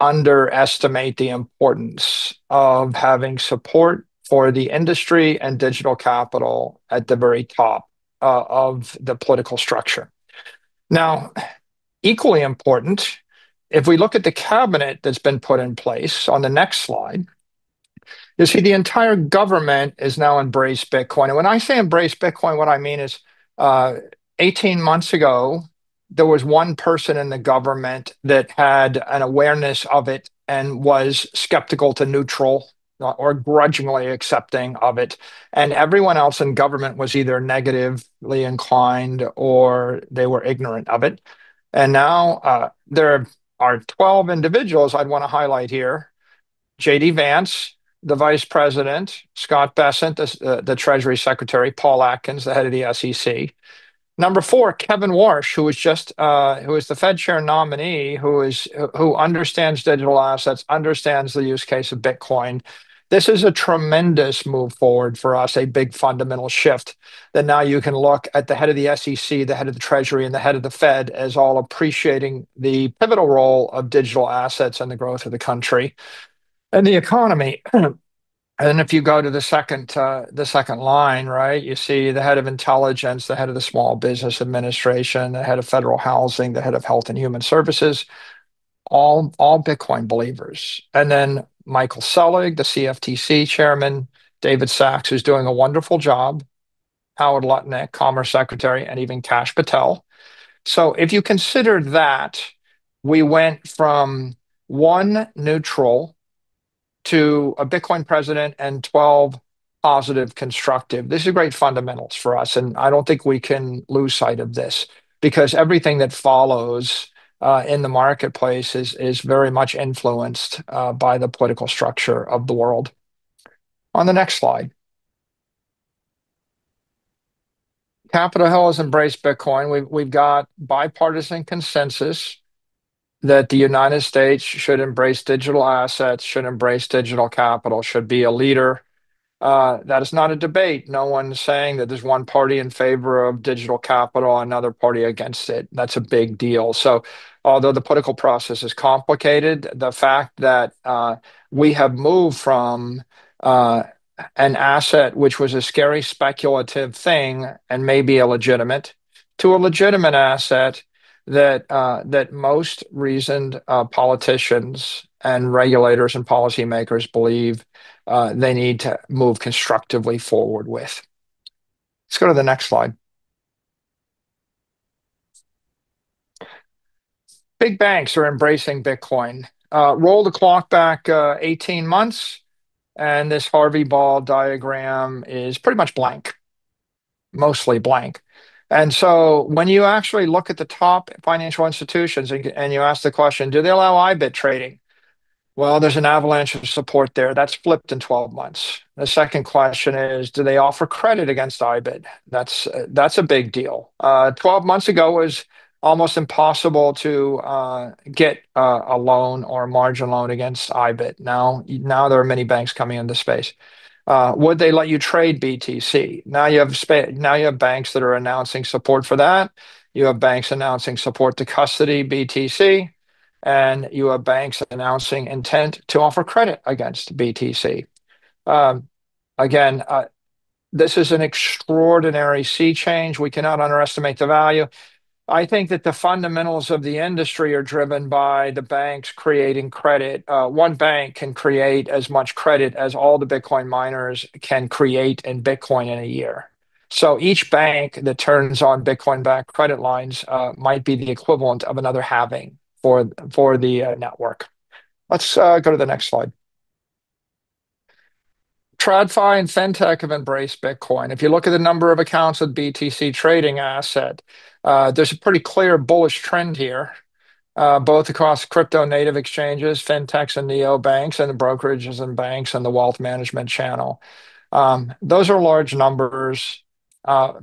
can underestimate the importance of having support for the industry and digital capital at the very top of the political structure. Now, equally important, if we look at the cabinet that's been put in place, on the next slide, you see the entire government has now embraced Bitcoin. And when I say embraced Bitcoin, what I mean is, 18 months ago, there was one person in the government that had an awareness of it and was skeptical to neutral, or grudgingly accepting of it, and everyone else in government was either negatively inclined or they were ignorant of it. And now, there are 12 individuals I'd want to highlight here: J.D. Vance, the Vice President, Scott Bessent, the Treasury Secretary, Paul Atkins, the head of the SEC. Number four, Kevin Warsh, who is the Fed chair nominee, who understands digital assets, understands the use case of Bitcoin. This is a tremendous move forward for us, a big fundamental shift, that now you can look at the head of the SEC, the head of the Treasury, and the head of the Fed as all appreciating the pivotal role of digital assets and the growth of the country and the economy. And if you go to the second, the second line, right, you see the head of intelligence, the head of the Small Business Administration, the head of Federal Housing, the head of Health and Human Services, all, all Bitcoin believers. And then Michael Selig, the CFTC chairman, David Sacks, who's doing a wonderful job, Howard Lutnick, Commerce Secretary, and even Kash Patel. So if you consider that we went from one neutral to a Bitcoin president and 12 positive constructive, this is great fundamentals for us, and I don't think we can lose sight of this because everything that follows in the marketplace is very much influenced by the political structure of the world. On the next slide. Capitol Hill has embraced Bitcoin. We've got bipartisan consensus that the United States should embrace digital assets, should embrace digital capital, should be a leader. That is not a debate. No one's saying that there's one party in favor of digital capital, another party against it. That's a big deal. Although the political process is complicated, the fact that we have moved from an asset which was a scary, speculative thing and maybe illegitimate to a legitimate asset that most reasoned politicians and regulators and policymakers believe they need to move constructively forward with. Let's go to the next slide. Big banks are embracing Bitcoin. Roll the clock back 18 months, and this Harvey Ball diagram is pretty much blank. Mostly blank. And so when you actually look at the top financial institutions and you, and you ask the question: Do they allow IBIT trading? Well, there's an avalanche of support there that's flipped in 12 months. The second question is: Do they offer credit against IBIT? That's a big deal. 12 months ago, it was almost impossible to get a loan or a margin loan against IBIT. Now there are many banks coming into space. Would they let you trade BTC? Now you have banks that are announcing support for that. You have banks announcing support to custody BTC, and you have banks announcing intent to offer credit against BTC. Again, this is an extraordinary sea change. We cannot underestimate the value. I think that the fundamentals of the industry are driven by the banks creating credit. One bank can create as much credit as all the Bitcoin miners can create in Bitcoin in a year. So each bank that turns on Bitcoin-backed credit lines might be the equivalent of another halving for the network. Let's go to the next slide. TradFi and Fintech have embraced Bitcoin. If you look at the number of accounts with BTC trading asset, there's a pretty clear bullish trend here, both across crypto-native exchanges, Fintechs, and neobanks, and brokerages and banks, and the wealth management channel. Those are large numbers.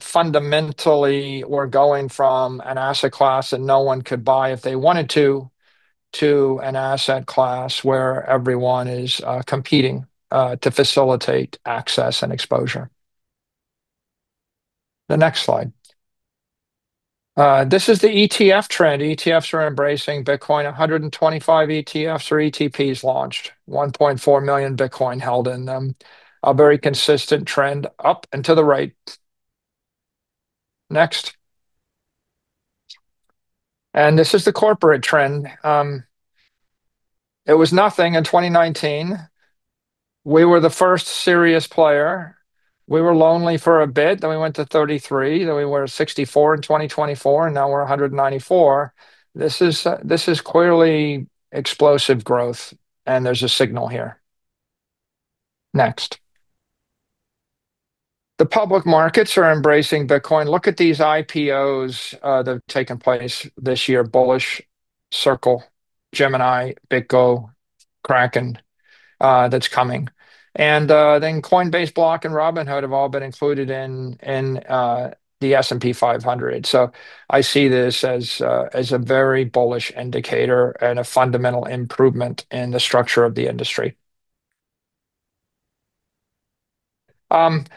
Fundamentally, we're going from an asset class that no one could buy if they wanted to, to an asset class where everyone is competing to facilitate access and exposure. The next slide. This is the ETF trend. ETFs are embracing Bitcoin. 125 ETFs or ETPs launched, 1.4 million Bitcoin held in them. A very consistent trend up and to the right. Next. This is the corporate trend. It was nothing in 2019. We were the first serious player. We were lonely for a bit, then we went to 33, then we were 64 in 2024, and now we're 194. This is, this is clearly explosive growth, and there's a signal here. Next. The public markets are embracing Bitcoin. Look at these IPOs that have taken place this year. Bullish, Circle, Gemini, BitGo, Kraken, that's coming. And then Coinbase, Block, and Robinhood have all been included in the S&P 500. So I see this as, as a very bullish indicator and a fundamental improvement in the structure of the industry. The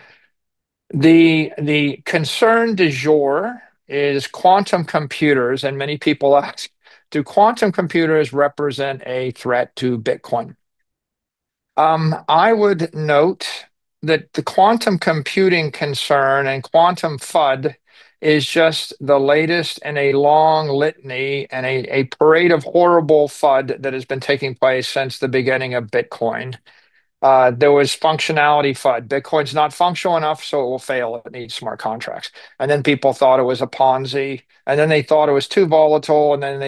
concern du jour is quantum computers, and many people ask, "Do quantum computers represent a threat to Bitcoin?" I would note that the quantum computing concern and quantum FUD is just the latest in a long litany and a parade of horrible FUD that has been taking place since the beginning of Bitcoin. There was functionality FUD. Bitcoin's not functional enough, so it will fail. It needs smart contracts. And then people thought it was a Ponzi, and then they thought it was too volatile, and then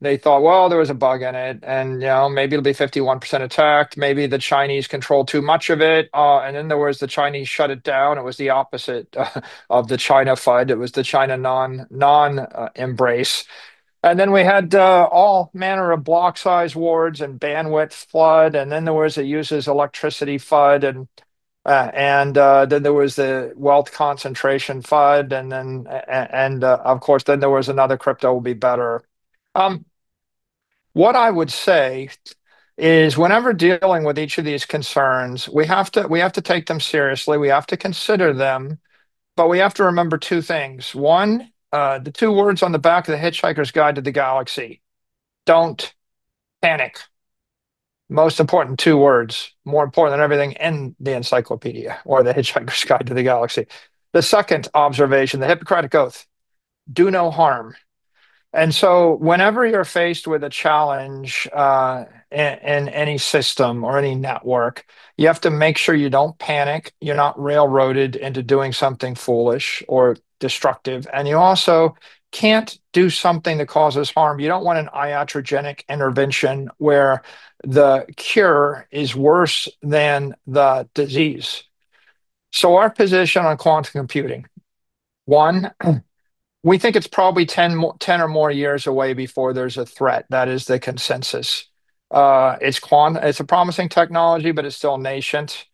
they thought, well, there was a bug in it, and, you know, maybe it'll be 51% attacked, maybe the Chinese control too much of it. And then there was the Chinese shut it down. It was the opposite of the China FUD. It was the China non-embrace. And then we had all manner of block size wars and bandwidth FUD, and then there was it uses electricity FUD, and then there was the wealth concentration FUD, and then, and of course, then there was another crypto will be better. What I would say is, whenever dealing with each of these concerns, we have to take them seriously, we have to consider them, but we have to remember two things. One, the two words on the back of The Hitchhiker's Guide to the Galaxy, "Don't panic." Most important two words, more important than everything in the encyclopedia or The Hitchhiker's Guide to the Galaxy. The second observation, the Hippocratic oath: do no harm. And so whenever you're faced with a challenge, in any system or any network, you have to make sure you don't panic, you're not railroaded into doing something foolish or destructive, and you also can't do something that causes harm. You don't want an iatrogenic intervention where the cure is worse than the disease. So our position on quantum computing, one, we think it's probably 10 or more years away before there's a threat. That is the consensus. It's a promising technology, but it's still nascent.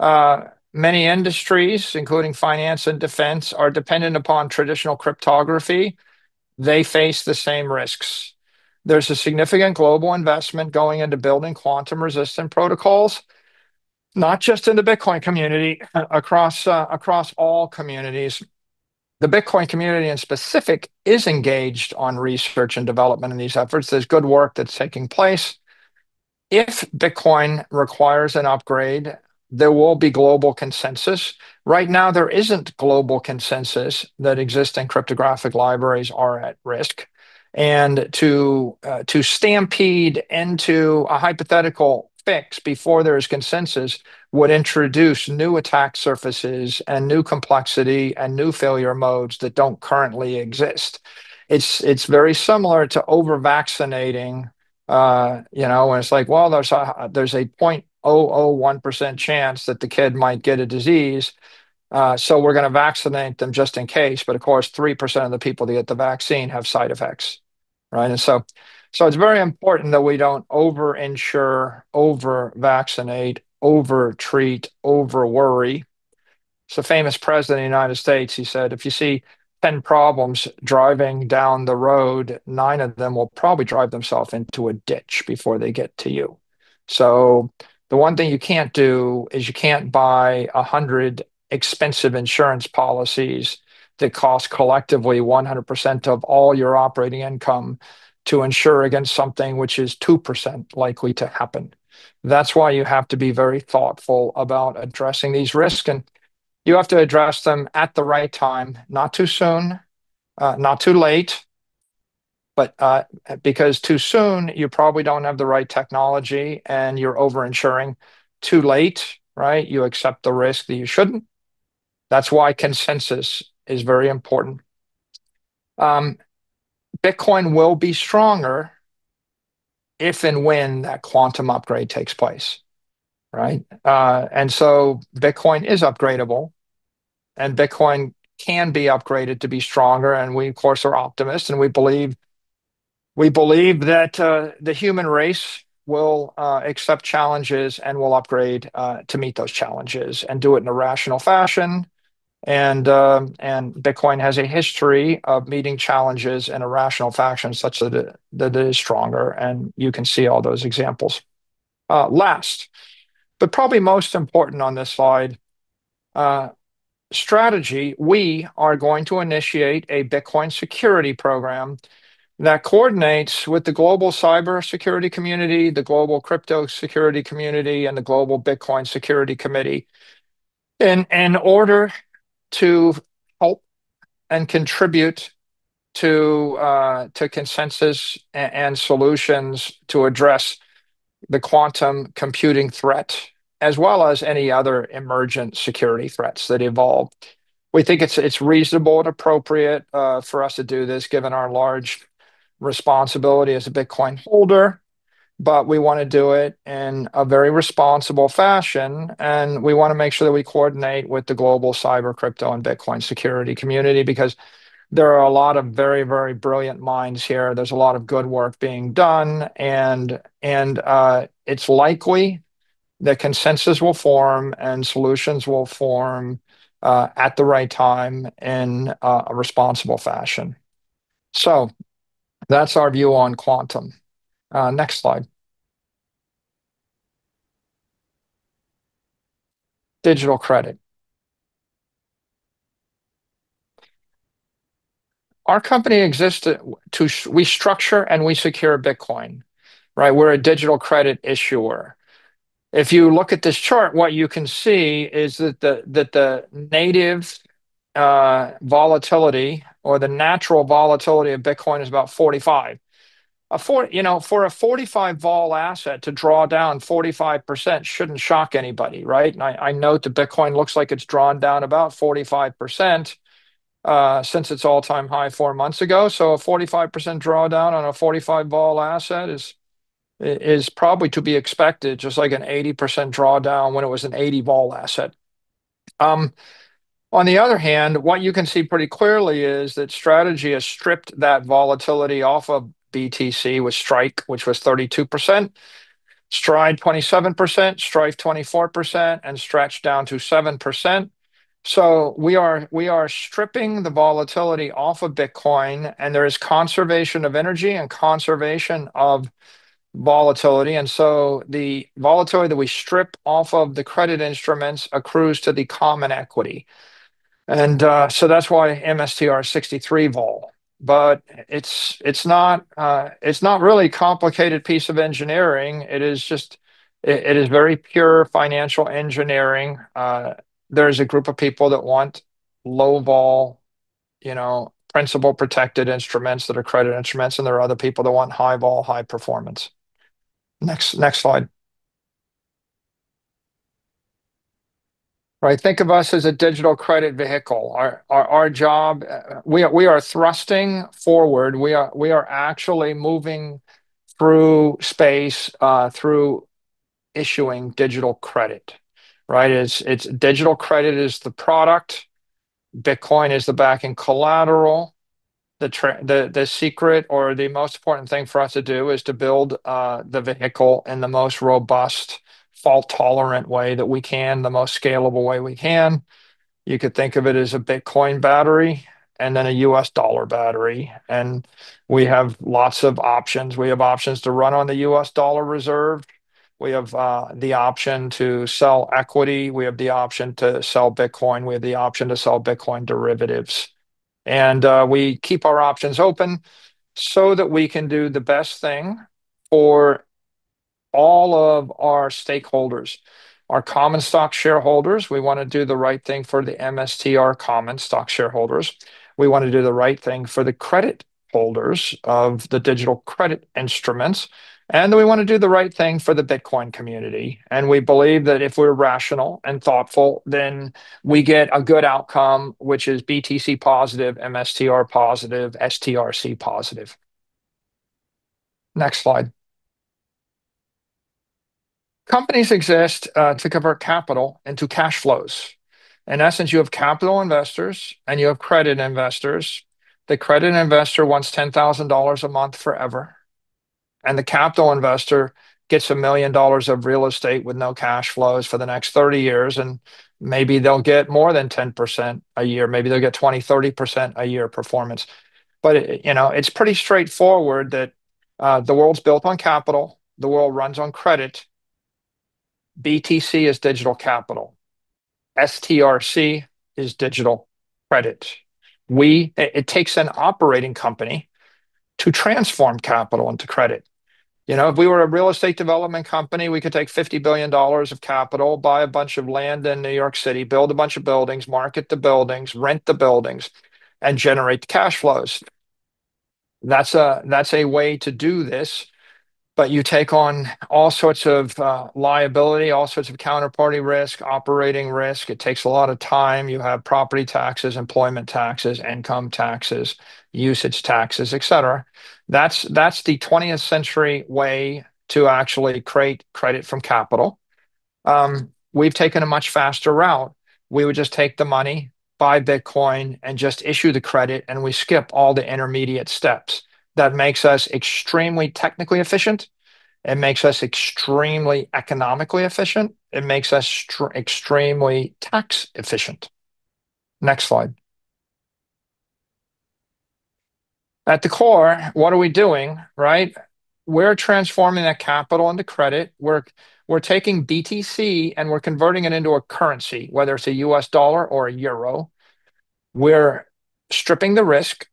Many industries, including finance and defense, are dependent upon traditional cryptography. They face the same risks. There's a significant global investment going into building quantum-resistant protocols, not just in the Bitcoin community, across all communities. The Bitcoin community, in specific, is engaged on research and development in these efforts. There's good work that's taking place. If Bitcoin requires an upgrade, there will be global consensus. Right now, there isn't global consensus that existing cryptographic libraries are at risk, and to stampede into a hypothetical fix before there is consensus would introduce new attack surfaces and new complexity, and new failure modes that don't currently exist. It's very similar to over-vaccinating, you know, and it's like, well, there's a 0.01% chance that the kid might get a disease, so we're gonna vaccinate them just in case. But of course, 3% of the people that get the vaccine have side effects, right? And so it's very important that we don't over-insure, over-vaccinate, over-treat, over-worry. So famous president of the United States, he said, "If you see 10 problems driving down the road, nine of them will probably drive themself into a ditch before they get to you." So the one thing you can't do is you can't buy 100 expensive insurance policies that cost collectively 100% of all your operating income to insure against something which is 2% likely to happen. That's why you have to be very thoughtful about addressing these risks, and you have to address them at the right time. Not too soon, not too late, but, because too soon, you probably don't have the right technology, and you're over-insuring. Too late, right? You accept the risk that you shouldn't. That's why consensus is very important. Bitcoin will be stronger if and when that quantum upgrade takes place, right? and so Bitcoin is upgradable, and Bitcoin can be upgraded to be stronger, and we, of course, are optimists, and we believe, we believe that, the human race will accept challenges and will upgrade to meet those challenges and do it in a rational fashion. And, Bitcoin has a history of meeting challenges in a rational fashion such that it, that it is stronger, and you can see all those examples. Last, but probably most important on this slide, Strategy, we are going to initiate a Bitcoin security program that coordinates with the global cybersecurity community, the global crypto security community, and the global Bitcoin Security Committee in order to help and contribute to consensus and solutions to address the quantum computing threat, as well as any other emergent security threats that evolve. We think it's reasonable and appropriate for us to do this, given our large responsibility as a Bitcoin holder, but we wanna do it in a very responsible fashion, and we wanna make sure that we coordinate with the global cyber, crypto, and Bitcoin security community because there are a lot of very, very brilliant minds here. There's a lot of good work being done, and and it's likely that consensus will form and solutions will form at the right time in a responsible fashion. So that's our view on quantum. Next slide. Digital credit. Our company exists to- we structure and we secure Bitcoin, right? We're a digital credit issuer. If you look at this chart, what you can see is that that the native volatility or the natural volatility of Bitcoin is about 45. You know, for a 45 vol asset to draw down 45% shouldn't shock anybody, right? And I know that Bitcoin looks like it's drawn down about 45% since its all-time high four months ago. So a 45% drawdown on a 45 vol asset is probably to be expected, just like an 80% drawdown when it was an 80 vol asset. On the other hand, what you can see pretty clearly is that Strategy has stripped that volatility off of BTC with Strike, which was 32%, Stride, 27%, Strife, 24%, and Stretch down to 7%. So we are stripping the volatility off of Bitcoin, and there is conservation of energy and conservation of volatility, and so the volatility that we strip off of the credit instruments accrues to the common equity. So that's why MSTR is 63 vol. But it's not really a complicated piece of engineering; it is just... It is very pure financial engineering. There's a group of people that want low vol, you know, principal-protected instruments that are credit instruments, and there are other people that want high vol, high performance. Next slide. Right, think of us as a digital credit vehicle. Our job, we are thrusting forward. We are actually moving through space, through issuing digital credit, right? It's digital credit is the product, Bitcoin is the backing collateral. The secret or the most important thing for us to do is to build the vehicle in the most robust, fault-tolerant way that we can, the most scalable way we can. You could think of it as a Bitcoin battery and then a U.S. dollar battery, and we have lots of options. We have options to run on the U.S. dollar reserve. We have the option to sell equity. We have the option to sell Bitcoin. We have the option to sell Bitcoin derivatives. And we keep our options open so that we can do the best thing for all of our stakeholders. Our common stock shareholders, we wanna do the right thing for the MSTR common stock shareholders. We wanna do the right thing for the credit holders of the digital credit instruments, and we wanna do the right thing for the Bitcoin community. And we believe that if we're rational and thoughtful, then we get a good outcome, which is BTC positive, MSTR positive, STRC positive. Next slide. Companies exist to convert capital into cash flows. In essence, you have capital investors, and you have credit investors. The credit investor wants $10,000 a month forever... and the capital investor gets $1 million of real estate with no cash flows for the next 30 years, and maybe they'll get more than 10% a year. Maybe they'll get 20%, 30% a year performance. But, you know, it's pretty straightforward that, the world's built on capital, the world runs on credit. BTC is digital capital. STRC is digital credit. It takes an operating company to transform capital into credit. You know, if we were a real estate development company, we could take $50 billion of capital, buy a bunch of land in New York City, build a bunch of buildings, market the buildings, rent the buildings, and generate the cash flows. That's a way to do this, but you take on all sorts of liability, all sorts of counterparty risk, operating risk. It takes a lot of time. You have property taxes, employment taxes, income taxes, usage taxes, et cetera. That's the twentieth century way to actually create credit from capital. We've taken a much faster route. We would just take the money, buy Bitcoin, and just issue the credit, and we skip all the intermediate steps. That makes us extremely technically efficient, it makes us extremely economically efficient, it makes us extremely tax efficient. Next slide. At the core, what are we doing, right? We're transforming that capital into credit. We're taking BTC, and we're converting it into a currency, whether it's a U.S. dollar or a euro. We're stripping the risk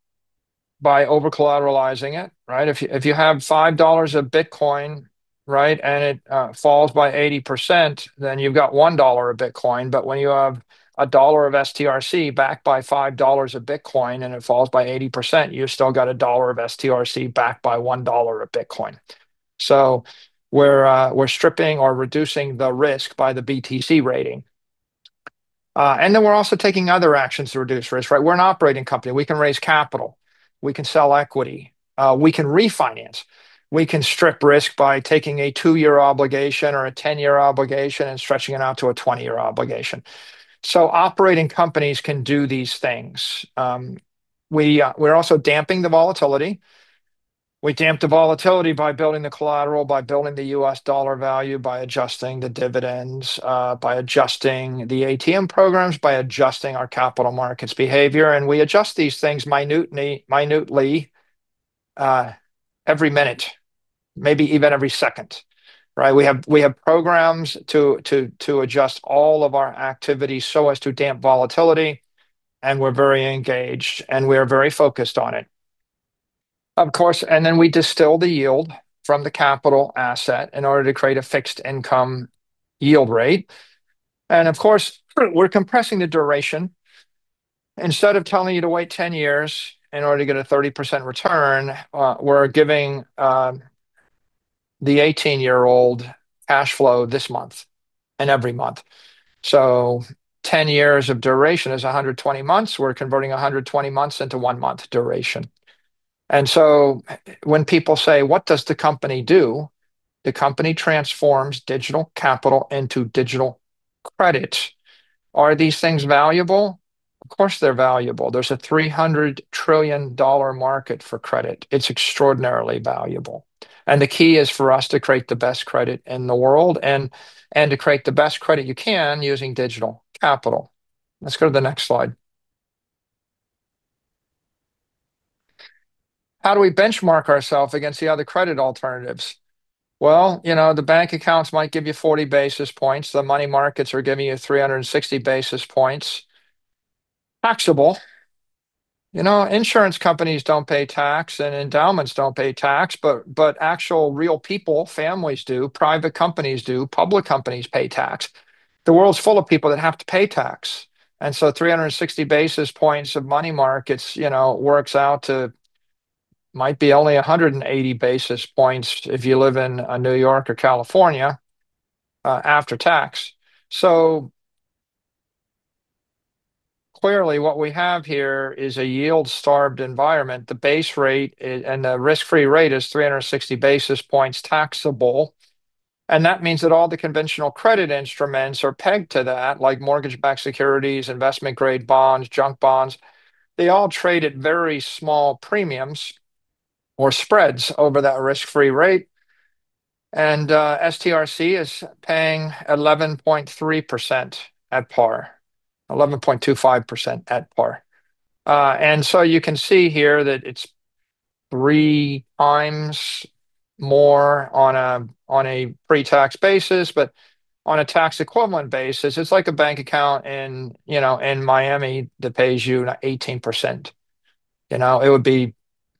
by over collateralizing it, right? If you have $5 of Bitcoin, right, and it falls by 80%, then you've got $1 of Bitcoin. But when you have a $1 of STRC backed by $5 of Bitcoin and it falls by 80%, you've still got a $1 of STRC backed by $1 of Bitcoin. So we're stripping or reducing the risk by the BTC rating. And then we're also taking other actions to reduce risk, right? We're an operating company. We can raise capital, we can sell equity, we can refinance, we can strip risk by taking a 2-year obligation or a 10-year obligation and stretching it out to a 20-year obligation. So operating companies can do these things. We're also damping the volatility. We damp the volatility by building the collateral, by building the U.S. dollar value, by adjusting the dividends, by adjusting the ATM programs, by adjusting our capital markets behavior, and we adjust these things minutely, minutely, every minute, maybe even every second, right? We have, we have programs to, to, to adjust all of our activities so as to damp volatility, and we're very engaged, and we're very focused on it. Of course, and then we distill the yield from the capital asset in order to create a fixed income yield rate. And of course, we're compressing the duration. Instead of telling you to wait 10 years in order to get a 30% return, we're giving the 18-year-old cash flow this month and every month. So 10 years of duration is 120 months. We're converting 120 months into one month duration. And so when people say: "What does the company do?" The company transforms digital capital into digital credit. Are these things valuable? Of course, they're valuable. There's a $300 trillion market for credit. It's extraordinarily valuable. And the key is for us to create the best credit in the world and, and to create the best credit you can using digital capital. Let's go to the next slide. How do we benchmark ourselves against the other credit alternatives? Well, you know, the bank accounts might give you 40 basis points. The money markets are giving you 360 basis points, taxable. You know, insurance companies don't pay tax, and endowments don't pay tax, but, but actual, real people, families do, private companies do, public companies pay tax. The world's full of people that have to pay tax, and so 360 basis points of money markets, you know, works out to might be only 180 basis points if you live in New York or California after tax. So clearly, what we have here is a yield-starved environment. The base rate and the risk-free rate is 360 basis points taxable, and that means that all the conventional credit instruments are pegged to that, like mortgage-backed securities, investment-grade bonds, junk bonds. They all trade at very small premiums or spreads over that risk-free rate, and STRC is paying 11.3% at par, 11.25% at par. And so you can see here that it's 3 times more on a, on a pre-tax basis, but on a tax equivalent basis, it's like a bank account in, you know, in Miami that pays you 18%. You know, it would be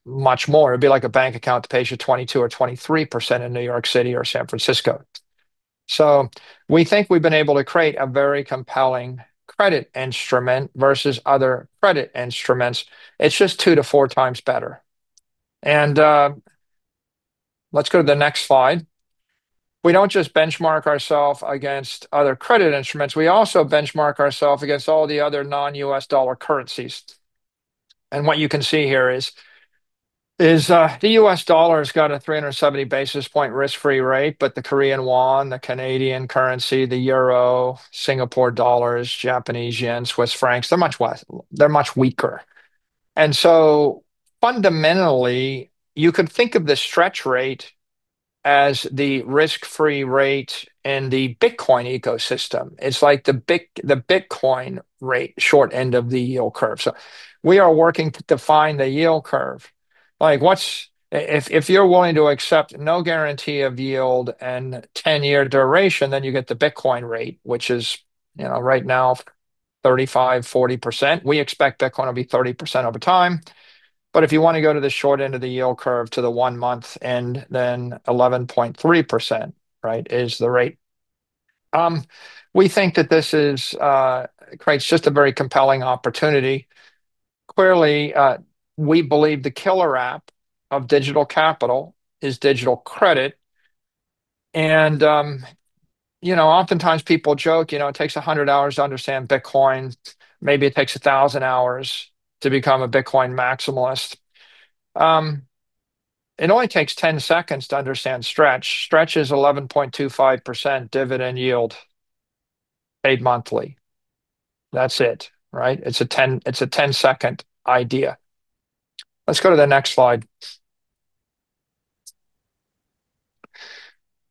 much more. It'd be like a bank account that pays you 22 or 23% in New York City or San Francisco. So we think we've been able to create a very compelling credit instrument versus other credit instruments. It's just 2-4 times better. And, let's go to the next slide. We don't just benchmark ourself against other credit instruments, we also benchmark ourself against all the other non-U.S. dollar currencies. And what you can see here is the U.S. dollar has got a 370 basis point risk-free rate, but the Korean won, the Canadian currency, the euro, Singapore dollars, Japanese yen, Swiss francs, they're much weaker. And so fundamentally, you could think of the Stretch rate as the risk-free rate in the Bitcoin ecosystem. It's like the Bitcoin rate, short end of the yield curve. So we are working to define the yield curve. Like, what's if you're willing to accept no guarantee of yield and 10-year duration, then you get the Bitcoin rate, which is, you know, right now, 35%-40%. We expect Bitcoin to be 30% over time. But if you want to go to the short end of the yield curve, to the one month, and then 11.3%, right, is the rate. We think that this creates just a very compelling opportunity. Clearly, we believe the killer app of digital capital is digital credit. And, you know, oftentimes people joke, you know, it takes 100 hours to understand Bitcoin. Maybe it takes 1,000 hours to become a Bitcoin maximalist. It only takes 10 seconds to understand Stretch. Stretch is 11.25% dividend yield, paid monthly. That's it, right? It's a ten, it's a 10-second idea. Let's go to the next slide.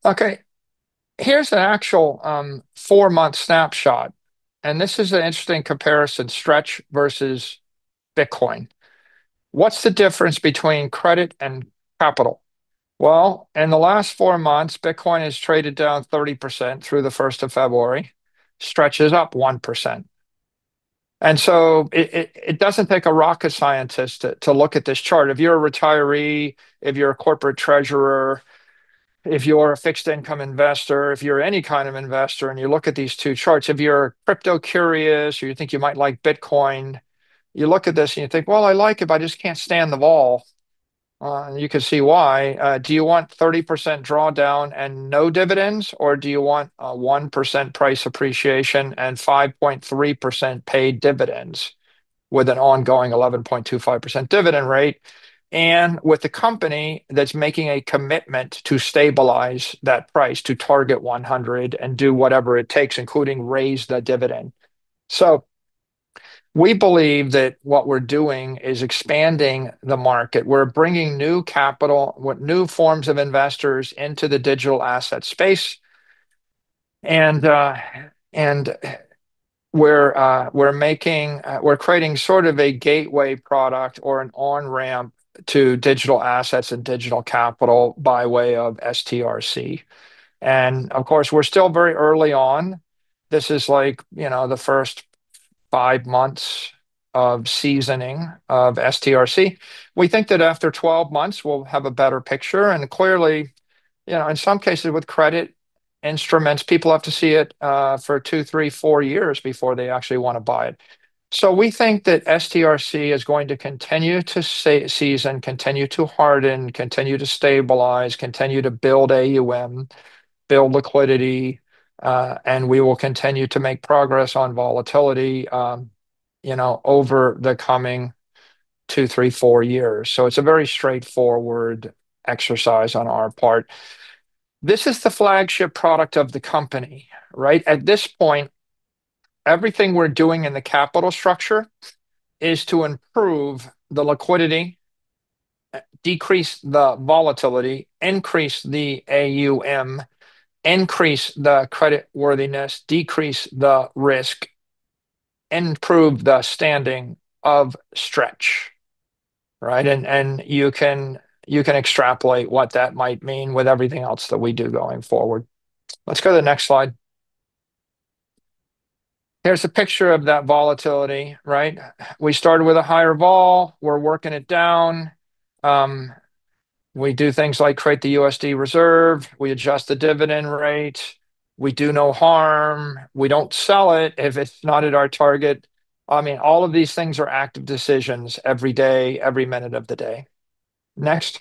Okay, here's an actual, 4-month snapshot, and this is an interesting comparison, Stretch versus Bitcoin. What's the difference between credit and capital? Well, in the last four months, Bitcoin has traded down 30% through the first of February. Stretch is up 1%. So it doesn't take a rocket scientist to look at this chart. If you're a retiree, if you're a corporate treasurer, if you're a fixed income investor, if you're any kind of investor, and you look at these two charts, if you're crypto curious, or you think you might like Bitcoin, you look at this and you think: "Well, I like it, but I just can't stand the vol," and you can see why. Do you want 30% drawdown and no dividends, or do you want a 1% price appreciation and 5.3% paid dividends with an ongoing 11.25% dividend rate, and with a company that's making a commitment to stabilize that price, to target 100 and do whatever it takes, including raise the dividend? So we believe that what we're doing is expanding the market. We're bringing new capital, with new forms of investors into the digital asset space, and we're creating sort of a gateway product or an on-ramp to digital assets and digital capital by way of STRC. And of course, we're still very early on. This is like, you know, the first 5 months of seasoning of STRC. We think that after 12 months, we'll have a better picture, and clearly, you know, in some cases with credit instruments, people have to see it for 2, 3, 4 years before they actually want to buy it. So we think that STRC is going to continue to season, continue to harden, continue to stabilize, continue to build AUM, build liquidity, and we will continue to make progress on volatility, you know, over the coming 2, 3, 4 years. So it's a very straightforward exercise on our part. This is the flagship product of the company, right? At this point, everything we're doing in the capital structure is to improve the liquidity, decrease the volatility, increase the AUM, increase the credit worthiness, decrease the risk, improve the standing of Stretch, right? You can extrapolate what that might mean with everything else that we do going forward. Let's go to the next slide. Here's a picture of that volatility, right? We started with a higher vol, we're working it down. We do things like create the USD reserve, we adjust the dividend rate, we do no harm, we don't sell it if it's not at our target. I mean, all of these things are active decisions every day, every minute of the day. Next.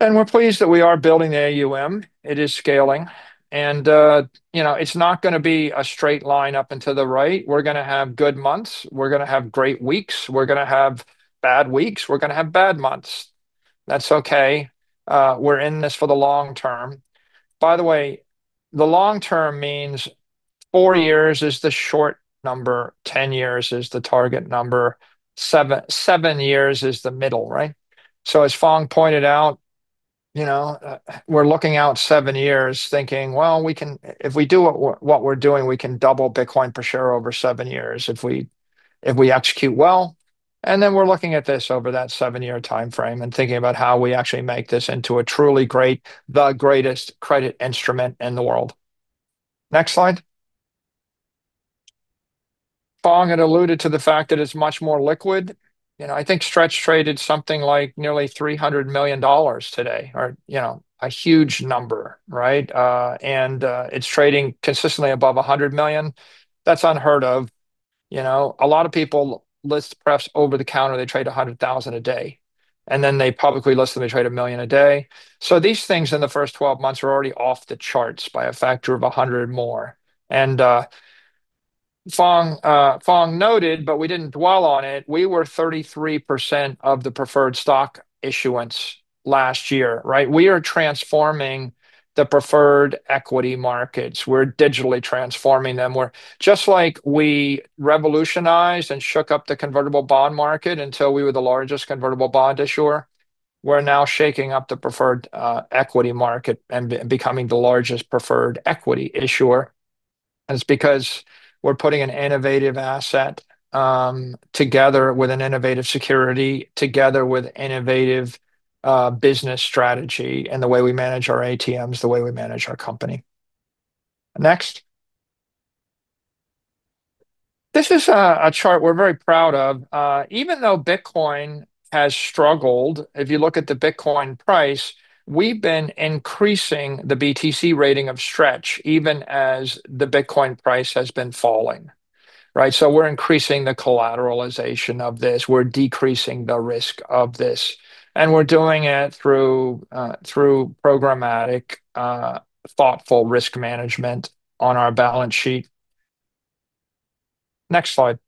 And we're pleased that we are building the AUM. It is scaling, and, you know, it's not gonna be a straight line up and to the right. We're gonna have good months, we're gonna have great weeks, we're gonna have bad weeks, we're gonna have bad months. That's okay. We're in this for the long term. By the way, the long term means 4 years is the short number, 10 years is the target number, 7, 7 years is the middle, right? So as Phong pointed out, you know, we're looking out 7 years thinking, well, we can if we do what we're doing, we can double Bitcoin per share over 7 years if we, if we execute well. And then we're looking at this over that 7-year timeframe and thinking about how we actually make this into a truly great, the greatest credit instrument in the world. Next slide. Phong had alluded to the fact that it's much more liquid. You know, I think Stretch traded something like nearly $300 million today, or, you know, a huge number, right? And it's trading consistently above $100 million. That's unheard of. You know, a lot of people list perhaps over the counter, they trade 100,000 a day, and then they publicly list them, they trade 1 million a day. So these things in the first 12 months are already off the charts by a factor of 100 more. And, Phong noted, but we didn't dwell on it, we were 33% of the preferred stock issuance last year, right? We are transforming the preferred equity markets. We're digitally transforming them, we're just like we revolutionized and shook up the convertible bond market until we were the largest convertible bond issuer. We're now shaking up the preferred equity market and becoming the largest preferred equity issuer. It's because we're putting an innovative asset together with an innovative security, together with innovative business strategy, and the way we manage our ATMs, the way we manage our company. Next. This is a chart we're very proud of. Even though Bitcoin has struggled, if you look at the Bitcoin price, we've been increasing the BTC rating of Stretch, even as the Bitcoin price has been falling, right? So we're increasing the collateralization of this, we're decreasing the risk of this, and we're doing it through programmatic thoughtful risk management on our balance sheet. Next slide.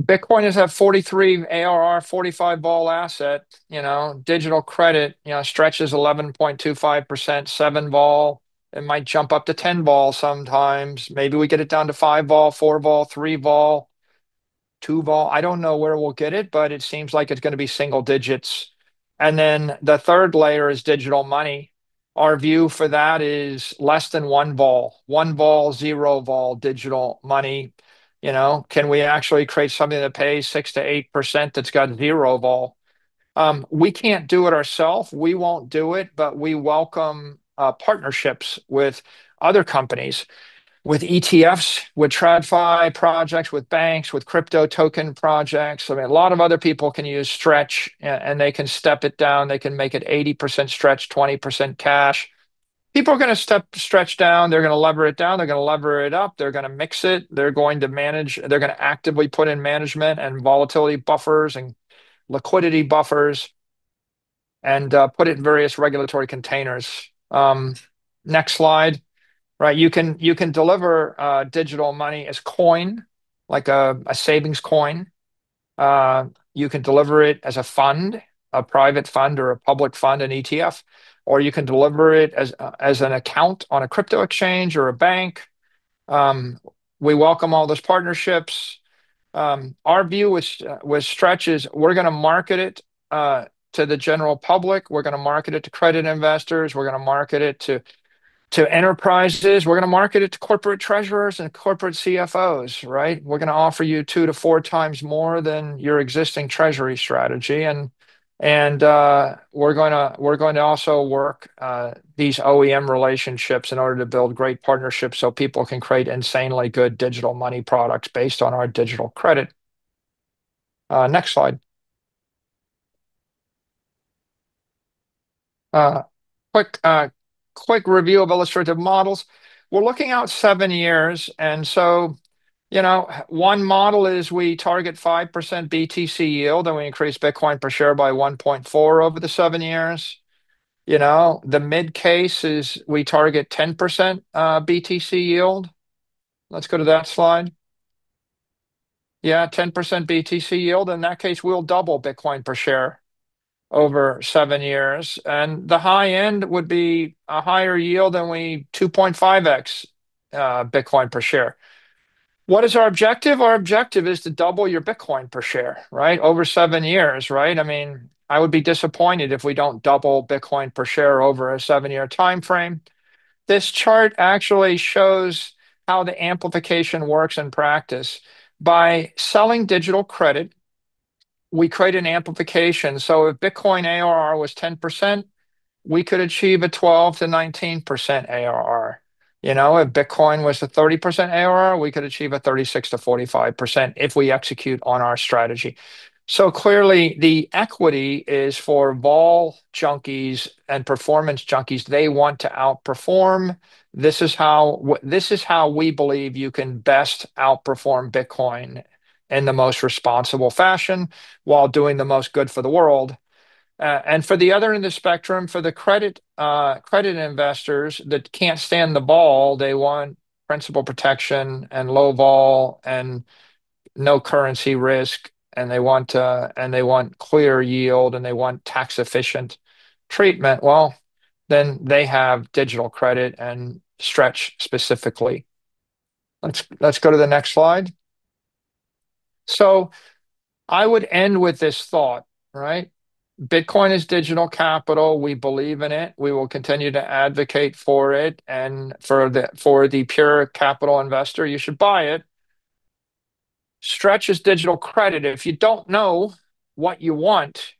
Bitcoin is a 43 ARR, 45 vol asset. You know, digital credit, you know, Stretch is 11.25%, 7 vol. It might jump up to 10 vol sometimes. Maybe we get it down to 5 vol, 4 vol, 3 vol, 2 vol. I don't know where we'll get it, but it seems like it's gonna be single digits. And then the third layer is digital money. Our view for that is less than one vol. One vol, zero vol digital money. You know, can we actually create something that pays 6%-8% that's got zero vol? We can't do it ourself. We won't do it, but we welcome partnerships with other companies, with ETFs, with TradFi projects, with banks, with crypto token projects. I mean, a lot of other people can use Stretch, and they can step it down. They can make it 80% Stretch, 20% cash. People are gonna step Stretch down, they're gonna lever it down, they're gonna lever it up, they're gonna mix it, they're going to actively put in management and volatility buffers and liquidity buffers, and put it in various regulatory containers. Next slide. Right, you can deliver digital money as coin, like a savings coin. You can deliver it as a fund, a private fund or a public fund, an ETF, or you can deliver it as an account on a crypto exchange or a bank. We welcome all those partnerships. Our view with Stretch is we're gonna market it to the general public, we're gonna market it to credit investors, we're gonna market it to enterprises. We're gonna market it to corporate treasurers and corporate CFOs, right? We're gonna offer you 2-4 times more than your existing treasury strategy, and we're gonna, we're going to also work these OEM relationships in order to build great partnerships, so people can create insanely good digital money products based on our digital credit. Next slide. Quick review of illustrative models. We're looking out seven years, and so, you know, one model is we target 5% BTC Yield, and we increase Bitcoin per share by 1.4 over the seven years. You know, the mid case is we target 10% BTC Yield. Let's go to that slide. Yeah, 10% BTC Yield. In that case, we'll double Bitcoin per share over seven years, and the high end would be a higher yield than we... 2.5x Bitcoin per share. What is our objective? Our objective is to double your Bitcoin per share, right? Over seven years, right? I mean, I would be disappointed if we don't double Bitcoin per share over a seven-year timeframe. This chart actually shows how the amplification works in practice. By selling digital credit, we create an amplification, so if Bitcoin ARR was 10%, we could achieve a 12%-19% ARR. You know, if Bitcoin was a 30% ARR, we could achieve a 36%-45% if we execute on our strategy. So clearly, the equity is for vol junkies and performance junkies. They want to outperform. This is how this is how we believe you can best outperform Bitcoin in the most responsible fashion, while doing the most good for the world. And for the other end of the spectrum, for the credit, credit investors that can't stand the vol, they want principal protection and low vol, and no currency risk, and they want, and they want clear yield, and they want tax-efficient treatment, well, then they have digital credit and Stretch specifically. Let's, let's go to the next slide. So I would end with this thought, right? Bitcoin is digital capital. We believe in it. We will continue to advocate for it and for the, for the pure capital investor, you should buy it. Stretch is digital credit, and if you don't know what you want,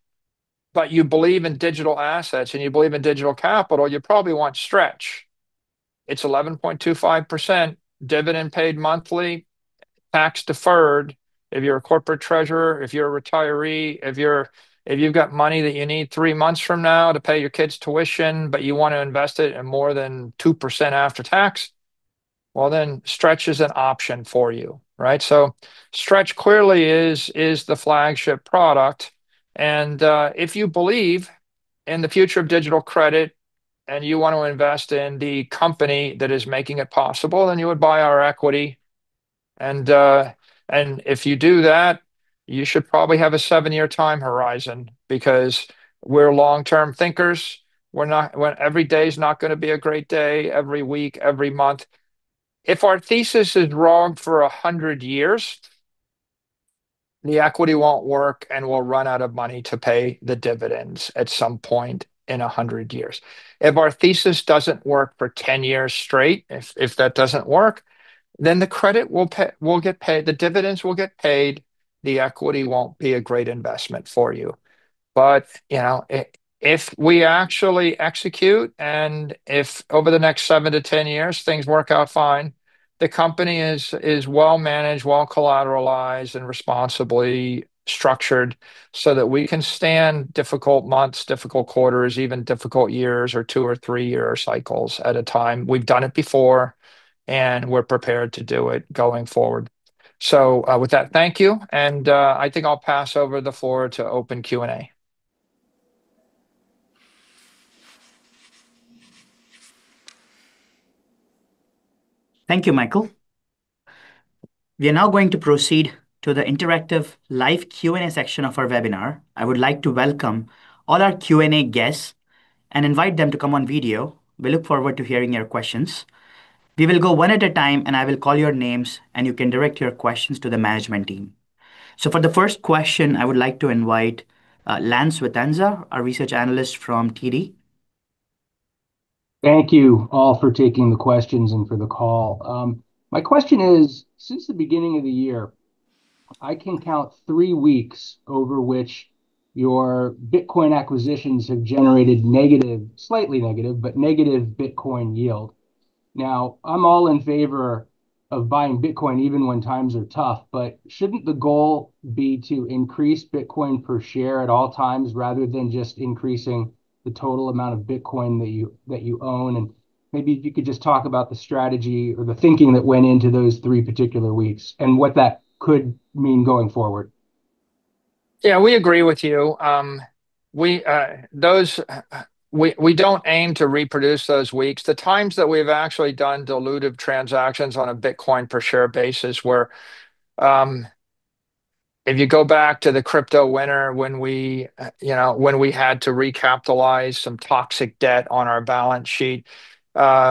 but you believe in digital assets and you believe in digital capital, you probably want Stretch. It's 11.25%, dividend paid monthly, tax-deferred. If you're a corporate treasurer, if you're a retiree, if you've got money that you need three months from now to pay your kids' tuition, but you want to invest it in more than 2% after tax, well, then Stretch is an option for you, right? So Stretch clearly is the flagship product, and if you believe in the future of digital credit and you want to invest in the company that is making it possible, then you would buy our equity. And if you do that, you should probably have a 7-year time horizon, because we're long-term thinkers. Well, every day is not gonna be a great day, every week, every month. If our thesis is wrong for 100 years, the equity won't work, and we'll run out of money to pay the dividends at some point in 100 years. If our thesis doesn't work for 10 years straight, if, if that doesn't work, then the credit will pay- will get paid. The dividends will get paid, the equity won't be a great investment for you. But, you know, I- if we actually execute, and if over the next 7-10 years things work out fine, the company is, is well-managed, well-collateralized, and responsibly structured, so that we can stand difficult months, difficult quarters, even difficult years, or 2- or 3-year cycles at a time. We've done it before, and we're prepared to do it going forward. So, with that, thank you, and, I think I'll pass over the floor to open Q&A. Thank you, Michael. We are now going to proceed to the interactive live Q&A section of our webinar. I would like to welcome all our Q&A guests, and invite them to come on video. We look forward to hearing your questions. We will go one at a time, and I will call your names, and you can direct your questions to the management team. So for the first question, I would like to invite Lance Vitanza, our research analyst from TD. Thank you all for taking the questions and for the call. My question is, since the beginning of the year, I can count three weeks over which your Bitcoin acquisitions have generated negative- slightly negative, but negative Bitcoin Yield. Now, I'm all in favor of buying Bitcoin even when times are tough, but shouldn't the goal be to increase Bitcoin per share at all times, rather than just increasing the total amount of Bitcoin that you own? And maybe if you could just talk about the strategy or the thinking that went into those three particular weeks, and what that could mean going forward. Yeah, we agree with you. We don't aim to reproduce those weeks. The times that we've actually done dilutive transactions on a Bitcoin per share basis where, if you go back to the crypto winter when we, you know, when we had to recapitalize some toxic debt on our balance sheet,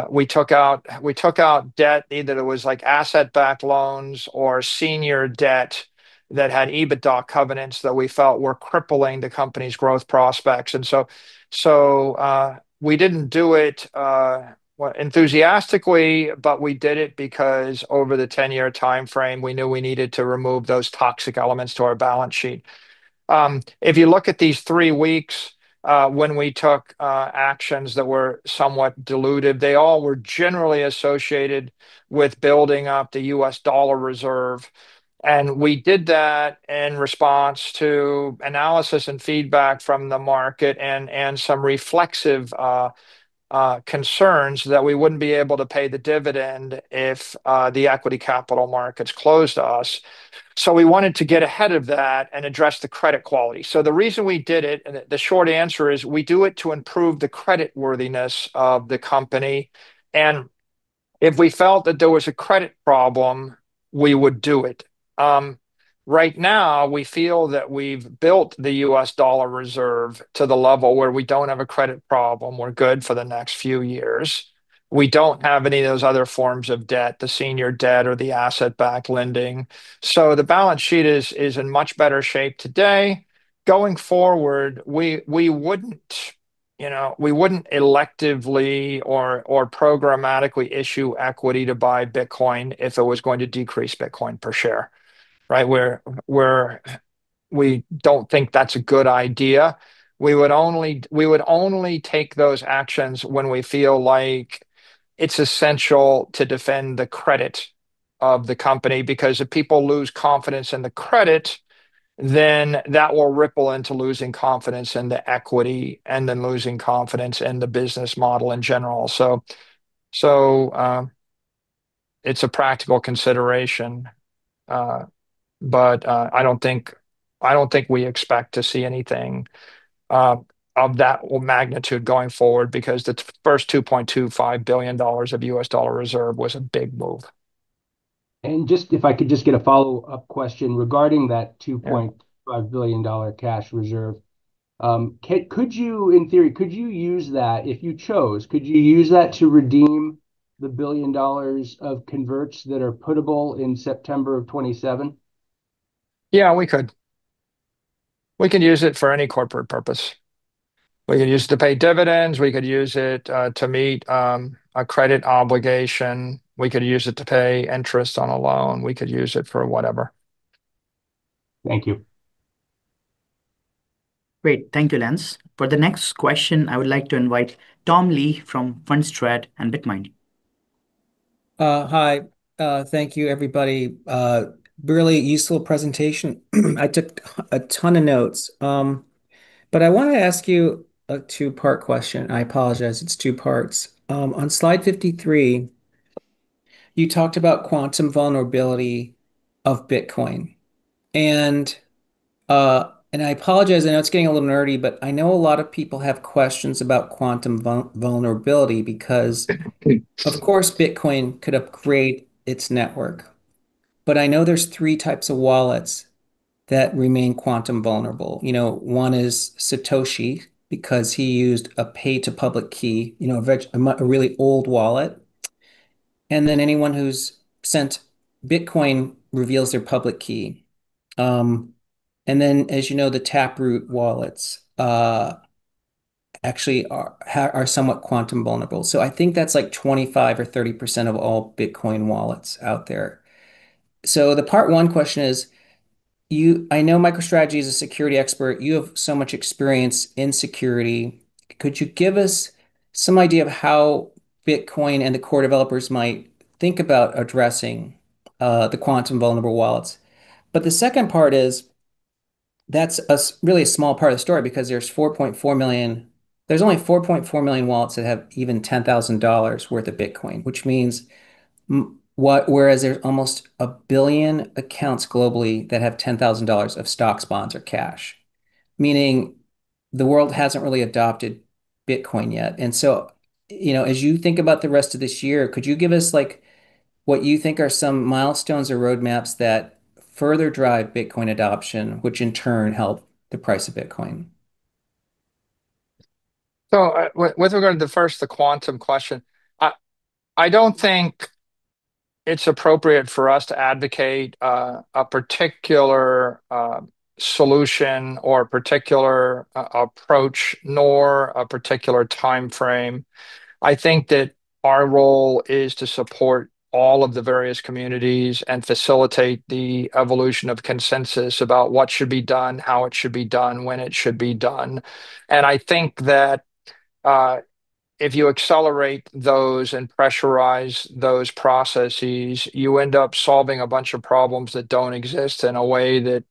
we took out, we took out debt, either it was like asset-backed loans or senior debt that had EBITDA covenants that we felt were crippling the company's growth prospects. And so, so, we didn't do it, well, enthusiastically, but we did it because over the 10-year timeframe, we knew we needed to remove those toxic elements to our balance sheet. If you look at these three weeks, when we took actions that were somewhat dilutive, they all were generally associated with building up the U.S. dollar reserve. We did that in response to analysis and feedback from the market, and some reflexive concerns that we wouldn't be able to pay the dividend if the equity capital markets closed to us. So we wanted to get ahead of that and address the credit quality. So the reason we did it, and the short answer is, we do it to improve the creditworthiness of the company. And if we felt that there was a credit problem, we would do it. Right now, we feel that we've built the U.S. dollar reserve to the level where we don't have a credit problem. We're good for the next few years. We don't have any of those other forms of debt, the senior debt or the asset-backed lending, so the balance sheet is in much better shape today. Going forward, we wouldn't, you know, we wouldn't electively or programmatically issue equity to buy Bitcoin if it was going to decrease Bitcoin per share, right? We don't think that's a good idea. We would only take those actions when we feel like it's essential to defend the credit of the company, because if people lose confidence in the credit, then that will ripple into losing confidence in the equity, and then losing confidence in the business model in general. So, it's a practical consideration, but I don't think, I don't think we expect to see anything of that magnitude going forward, because the first $2.25 billion of U.S. dollar reserve was a big move. Just, if I could just get a follow-up question regarding that- Yeah $2.5 billion cash reserve. Could you, in theory, could you use that if you chose? Could you use that to redeem the $1 billion of converts that are putable in September of 2027? Yeah, we could. We could use it for any corporate purpose. We could use it to pay dividends, we could use it to meet a credit obligation, we could use it to pay interest on a loan, we could use it for whatever. Thank you. Great. Thank you, Lance. For the next question, I would like to invite Tom Lee from Fundstrat and BitMine. Hi. Thank you, everybody. Really useful presentation. I took a ton of notes. But I wanna ask you a two-part question. I apologize, it's two parts. On slide 53, you talked about quantum vulnerability of Bitcoin, and I apologize, I know it's getting a little nerdy, but I know a lot of people have questions about quantum vulnerability, because of course, Bitcoin could upgrade its network. But I know there's three types of wallets that remain quantum vulnerable. You know, one is Satoshi, because he used a pay-to-public-key, you know, a really old wallet. And then anyone who's sent Bitcoin reveals their public key. And then, as you know, the Taproot wallets actually are somewhat quantum vulnerable. So I think that's like 25% or 30% of all Bitcoin wallets out there. So the part one question is, I know MicroStrategy is a security expert. You have so much experience in security. Could you give us some idea of how Bitcoin and the core developers might think about addressing the quantum-vulnerable wallets? But the second part is, that's a really small part of the story, because there's 4.4 million. There's only 4.4 million wallets that have even $10,000 worth of Bitcoin, which means whereas there's almost 1 billion accounts globally that have $10,000 of stocks, bonds, or cash, meaning the world hasn't really adopted Bitcoin yet. And so, you know, as you think about the rest of this year, could you give us, like, what you think are some milestones or roadmaps that further drive Bitcoin adoption, which in turn help the price of Bitcoin? So, with regard to the first, the quantum question, I don't think it's appropriate for us to advocate a particular solution or a particular approach, nor a particular timeframe. I think that our role is to support all of the various communities and facilitate the evolution of consensus about what should be done, how it should be done, when it should be done. And I think that if you accelerate those and pressurize those processes, you end up solving a bunch of problems that don't exist in a way that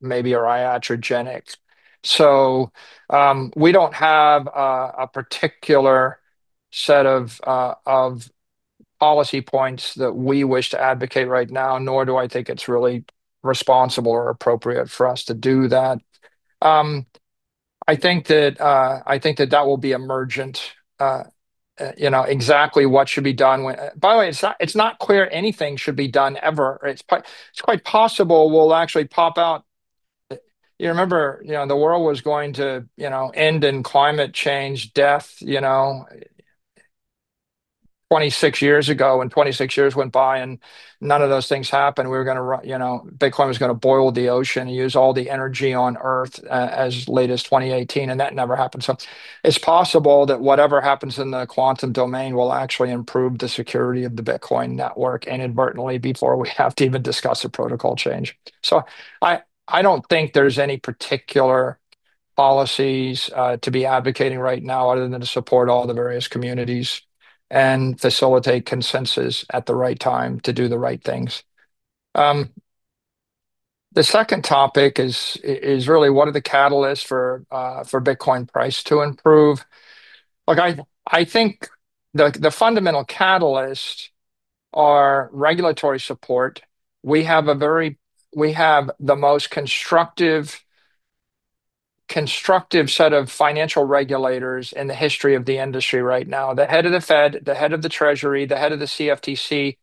maybe are iatrogenic. So, we don't have a particular set of policy points that we wish to advocate right now, nor do I think it's really responsible or appropriate for us to do that. I think that, I think that that will be emergent, you know, exactly what should be done when—By the way, it's not, it's not clear anything should be done ever. It's quite possible we'll actually pop out. You remember, you know, the world was going to, you know, end in climate change, death, you know, 26 years ago, and 26 years went by, and none of those things happened. We were gonna, you know, Bitcoin was gonna boil the ocean and use all the energy on Earth as late as 2018, and that never happened. So it's possible that whatever happens in the quantum domain will actually improve the security of the Bitcoin network inadvertently before we have to even discuss a protocol change. So I don't think there's any particular policies to be advocating right now, other than to support all the various communities and facilitate consensus at the right time to do the right things. The second topic is really what are the catalysts for Bitcoin price to improve? Look, I think the fundamental catalysts are regulatory support. We have the most constructive set of financial regulators in the history of the industry right now. The head of the Fed, the head of the Treasury, the head of the CFTC,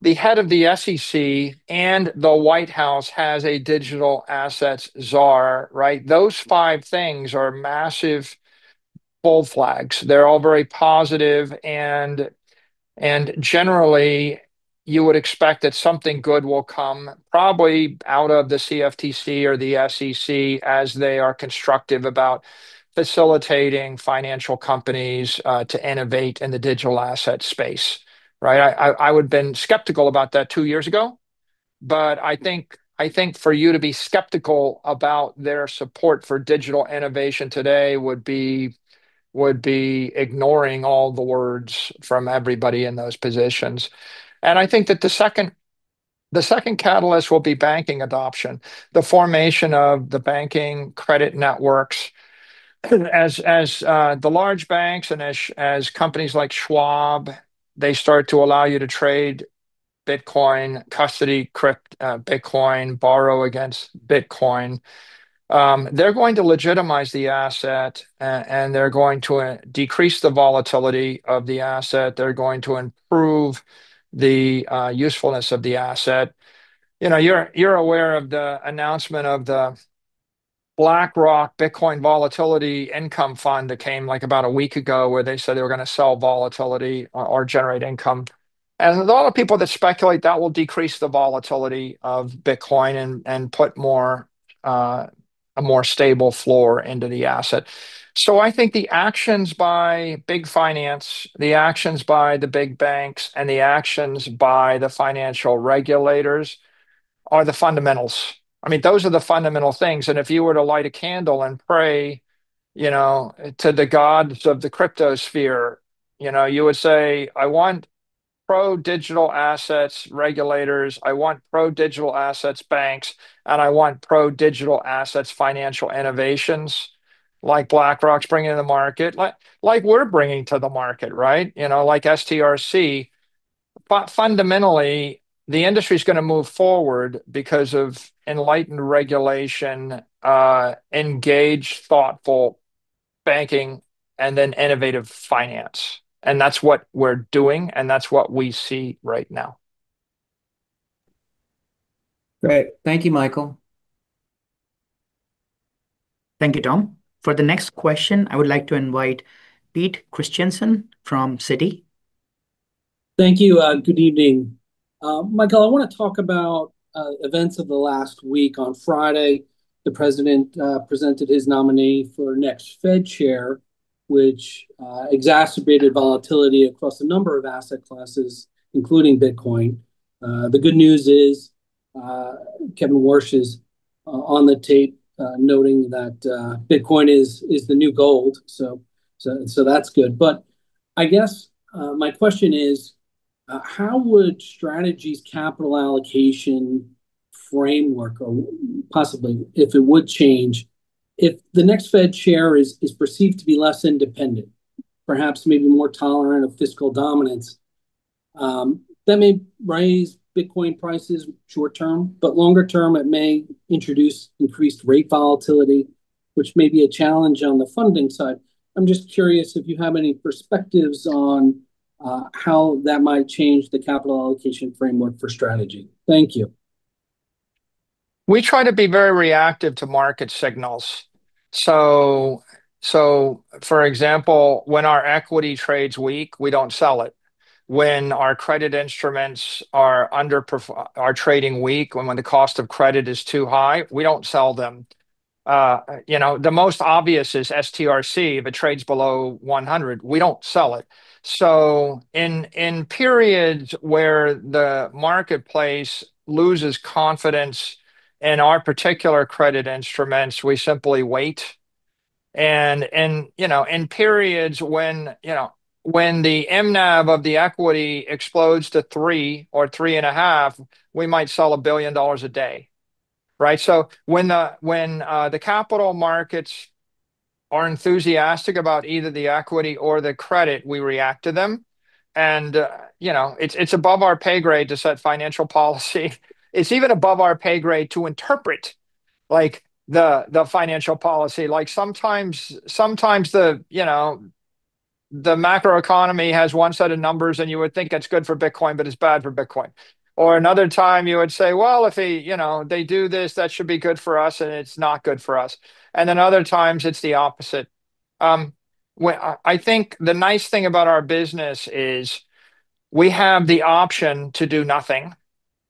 the head of the SEC, and the White House has a digital assets czar, right? Those five things are massive bull flags. They're all very positive, and generally, you would expect that something good will come probably out of the CFTC or the SEC, as they are constructive about facilitating financial companies to innovate in the digital asset space, right? I would've been skeptical about that two years ago, but I think for you to be skeptical about their support for digital innovation today would be ignoring all the words from everybody in those positions. And I think that the second catalyst will be banking adoption, the formation of the banking credit networks. As the large banks and companies like Schwab, they start to allow you to trade Bitcoin, custody Bitcoin, borrow against Bitcoin, they're going to legitimize the asset, and they're going to decrease the volatility of the asset. They're going to improve the usefulness of the asset. You know, you're aware of the announcement of the BlackRock Bitcoin Volatility Income Fund that came, like, about a week ago, where they said they were gonna sell volatility or generate income. And a lot of people speculate that will decrease the volatility of Bitcoin and put more a more stable floor into the asset. So I think the actions by big finance, the actions by the big banks, and the actions by the financial regulators are the fundamentals. I mean, those are the fundamental things, and if you were to light a candle and pray, you know, to the gods of the cryptosphere, you know, you would say, "I want pro-digital assets regulators, I want pro-digital assets banks, and I want pro-digital assets financial innovations," like BlackRock's bringing to the market, like we're bringing to the market, right? You know. But fundamentally, the industry's gonna move forward because of enlightened regulation, engaged, thoughtful banking, and then innovative finance. And that's what we're doing, and that's what we see right now. Great. Thank you, Michael. Thank you, Tom. For the next question, I would like to invite Pete Christiansen from Citi. Thank you, and good evening. Michael, I wanna talk about events of the last week. On Friday, the president presented his nominee for next Fed Chair, which exacerbated volatility across a number of asset classes, including Bitcoin. The good news is, Kevin Warsh is on the tape noting that Bitcoin is the new gold, so that's good. But I guess my question is, how would Strategy's capital allocation framework, or possibly if it would change, if the next Fed Chair is perceived to be less independent, perhaps maybe more tolerant of fiscal dominance? That may raise Bitcoin prices short term, but longer term it may introduce increased rate volatility, which may be a challenge on the funding side. I'm just curious if you have any perspectives on how that might change the capital allocation framework for Strategy. Thank you. We try to be very reactive to market signals. So for example, when our equity trades weak, we don't sell it. When our credit instruments are trading weak, and when the cost of credit is too high, we don't sell them. You know, the most obvious is STRC. If it trades below 100, we don't sell it. So in periods where the marketplace loses confidence in our particular credit instruments, we simply wait. And you know, in periods when you know, when the MNAV of the equity explodes to 3 or 3.5, we might sell $1 billion a day, right? So when the capital markets are enthusiastic about either the equity or the credit, we react to them. And you know, it's above our pay grade to set financial policy. It's even above our pay grade to interpret, like, the financial policy. Like, sometimes the, you know, the macroeconomy has one set of numbers, and you would think that's good for Bitcoin, but it's bad for Bitcoin. Or another time you would say, "Well, if they, you know, they do this, that should be good for us," and it's not good for us, and then other times it's the opposite. Well, I think the nice thing about our business is we have the option to do nothing,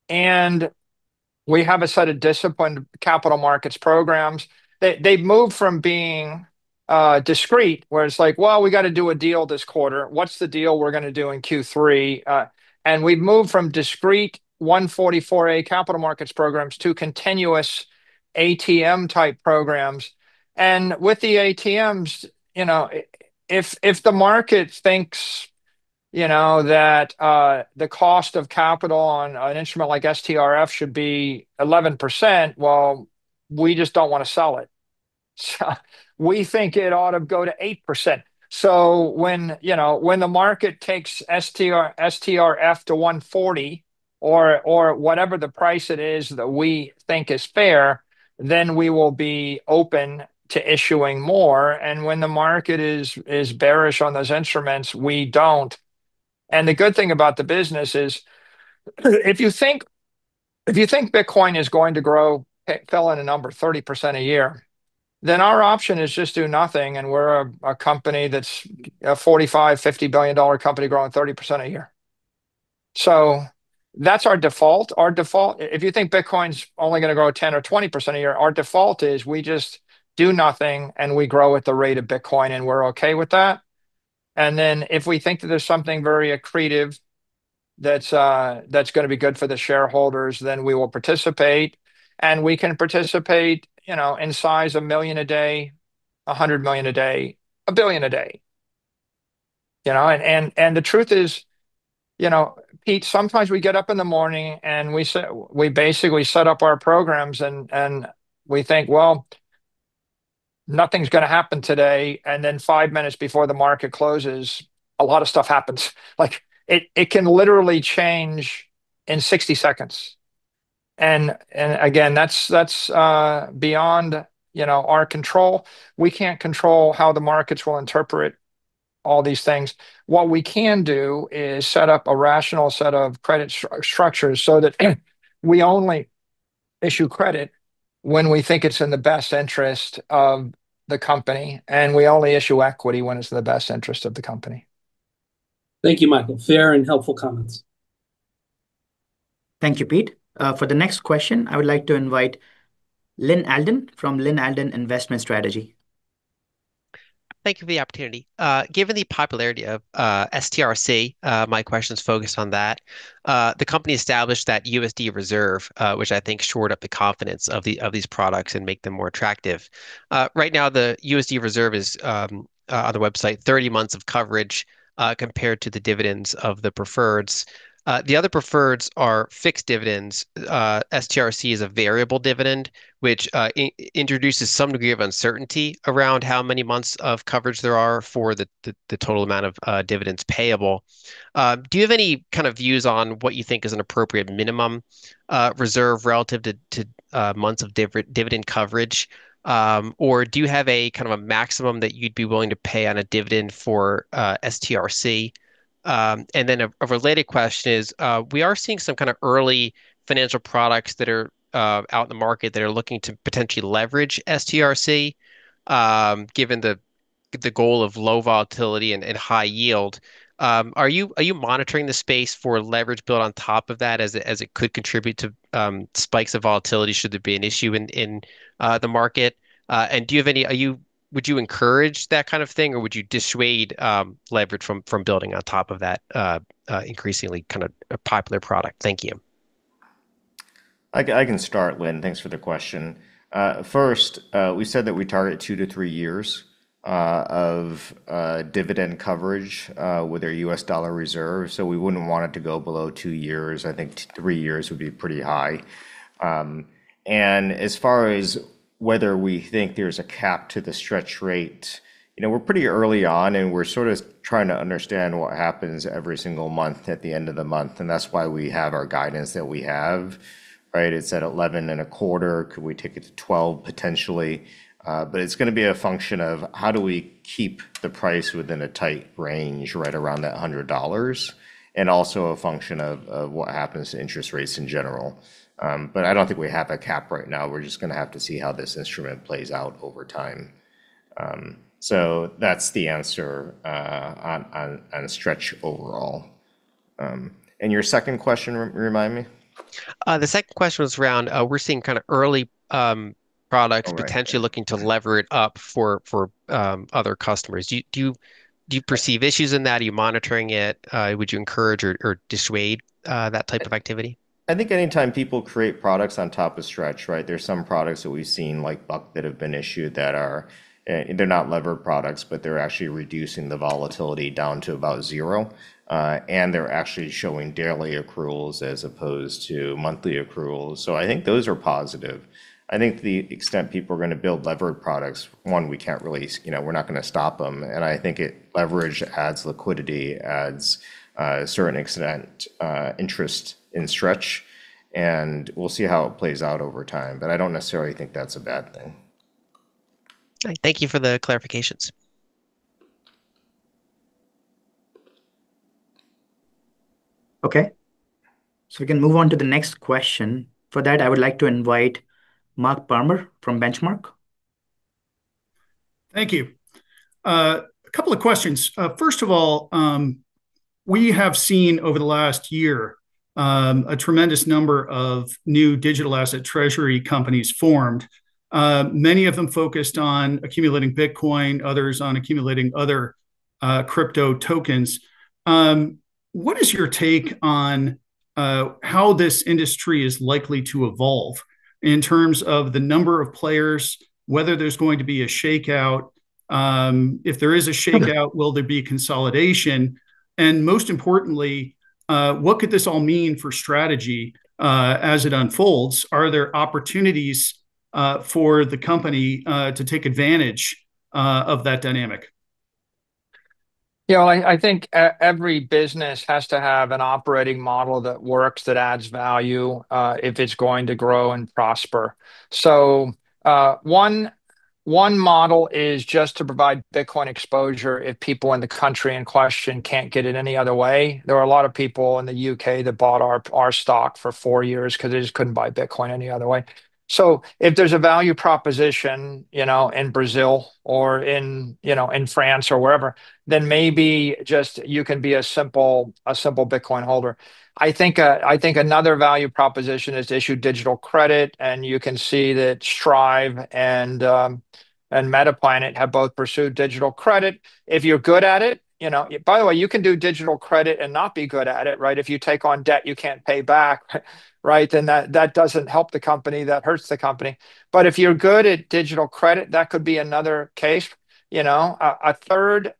and we have a set of disciplined capital markets programs. They've moved from being discrete, where it's like, "Well, we gotta do a deal this quarter. What's the deal we're gonna do in Q3?" And we've moved from discrete 144A capital markets programs to continuous ATM-type programs. With the ATMs, you know, if, if the market thinks, you know, that the cost of capital on an instrument like STRF should be 11%, well, we just don't wanna sell it. So we think it ought to go to 8%. So when, you know, when the market takes STRF to 140 or, or whatever the price it is that we think is fair, then we will be open to issuing more, and when the market is bearish on those instruments, we don't. And the good thing about the business is, if you think, if you think Bitcoin is going to grow, fill in a number, 30% a year, then our option is just do nothing, and we're a company that's $45-$50 billion company growing 30% a year. So that's our default. Our default, if you think Bitcoin's only gonna grow 10% or 20% a year, our default is we just do nothing, and we grow at the rate of Bitcoin, and we're okay with that. And then, if we think that there's something very accretive that's that's gonna be good for the shareholders, then we will participate, and we can participate, you know, in size, $1 million a day, $100 million a day, $1 billion a day. You know, and, and, and the truth is, you know, Pete, sometimes we get up in the morning, and we say we basically set up our programs, and, and we think, "Well, nothing's gonna happen today." And then 5 minutes before the market closes, a lot of stuff happens. Like, it, it can literally change in 60 seconds. And, and again, that's, that's beyond, you know, our control. We can't control how the markets will interpret all these things. What we can do is set up a rational set of credit structures so that we only issue credit when we think it's in the best interest of the company, and we only issue equity when it's in the best interest of the company. Thank you, Michael. Fair and helpful comments. Thank you, Pete. For the next question, I would like to invite Lyn Alden from Lyn Alden Investment Strategy. Thank you for the opportunity. Given the popularity of STRC, my question's focused on that. The company established that USD reserve, which I think shored up the confidence of the- of these products and make them more attractive. Right now, the USD reserve is, on the website, 30 months of coverage, compared to the dividends of the preferreds. The other preferreds are fixed dividends. STRC is a variable dividend, which introduces some degree of uncertainty around how many months of coverage there are for the, the, the total amount of dividends payable. Do you have any kind of views on what you think is an appropriate minimum reserve relative to, to months of dividend coverage? Or do you have a kind of a maximum that you'd be willing to pay on a dividend for STRC? And then a related question is, we are seeing some kind of early financial products that are out in the market that are looking to potentially leverage STRC. Given the goal of low volatility and high yield. Are you monitoring the space for leverage built on top of that as it could contribute to spikes of volatility, should there be an issue in the market? Would you encourage that kind of thing, or would you dissuade leverage from building on top of that, increasingly kind of a popular product? Thank you. I can, I can start, Lynn. Thanks for the question. First, we said that we target 2-3 years of dividend coverage with our U.S. dollar reserve, so we wouldn't want it to go below 2 years. I think 3 years would be pretty high. And as far as whether we think there's a cap to the Stretch rate, you know, we're pretty early on, and we're sort of trying to understand what happens every single month at the end of the month, and that's why we have our guidance that we have, right? It's at 11.25. Could we take it to 12? Potentially. But it's gonna be a function of: How do we keep the price within a tight range, right around that $100, and also a function of what happens to interest rates in general. But I don't think we have a cap right now. We're just gonna have to see how this instrument plays out over time. So that's the answer on Stretch overall. And your second question, remind me? The second question was around, we're seeing kind of early products- All right. potentially looking to lever it up for other customers. Do you perceive issues in that? Are you monitoring it? Would you encourage or dissuade that type of activity? I think anytime people create products on top of Stretch, right? There's some products that we've seen, like Buck, that have been issued, that are. They're not levered products, but they're actually reducing the volatility down to about zero. And they're actually showing daily accruals as opposed to monthly accruals. So I think those are positive. I think to the extent people are gonna build levered products, one, we can't really, you know, we're not gonna stop them. And I think it. Leverage adds liquidity, adds a certain extent, interest in Stretch, and we'll see how it plays out over time. But I don't necessarily think that's a bad thing. All right. Thank you for the clarifications. Okay, so we can move on to the next question. For that, I would like to invite Mark Palmer from Benchmark. Thank you. A couple of questions. First of all, we have seen over the last year, a tremendous number of new digital asset treasury companies formed, many of them focused on accumulating Bitcoin, others on accumulating other, crypto tokens. What is your take on, how this industry is likely to evolve in terms of the number of players, whether there's going to be a shakeout? If there is a shakeout- Sure. Will there be a consolidation? And most importantly, what could this all mean for Strategy, as it unfolds? Are there opportunities, for the company, to take advantage, of that dynamic? Yeah, well, I think every business has to have an operating model that works, that adds value, if it's going to grow and prosper. So, one model is just to provide Bitcoin exposure if people in the country in question can't get it any other way. There are a lot of people in the U.K. that bought our stock for four years because they just couldn't buy Bitcoin any other way. So if there's a value proposition, you know, in Brazil or in, you know, in France or wherever, then maybe just you can be a simple, a simple Bitcoin holder. I think another value proposition is to issue digital credit, and you can see that Strive and Metaplanet have both pursued digital credit. If you're good at it, you know—by the way, you can do digital credit and not be good at it, right? If you take on debt you can't pay back, right, then that doesn't help the company, that hurts the company. But if you're good at digital credit, that could be another case. You know, a third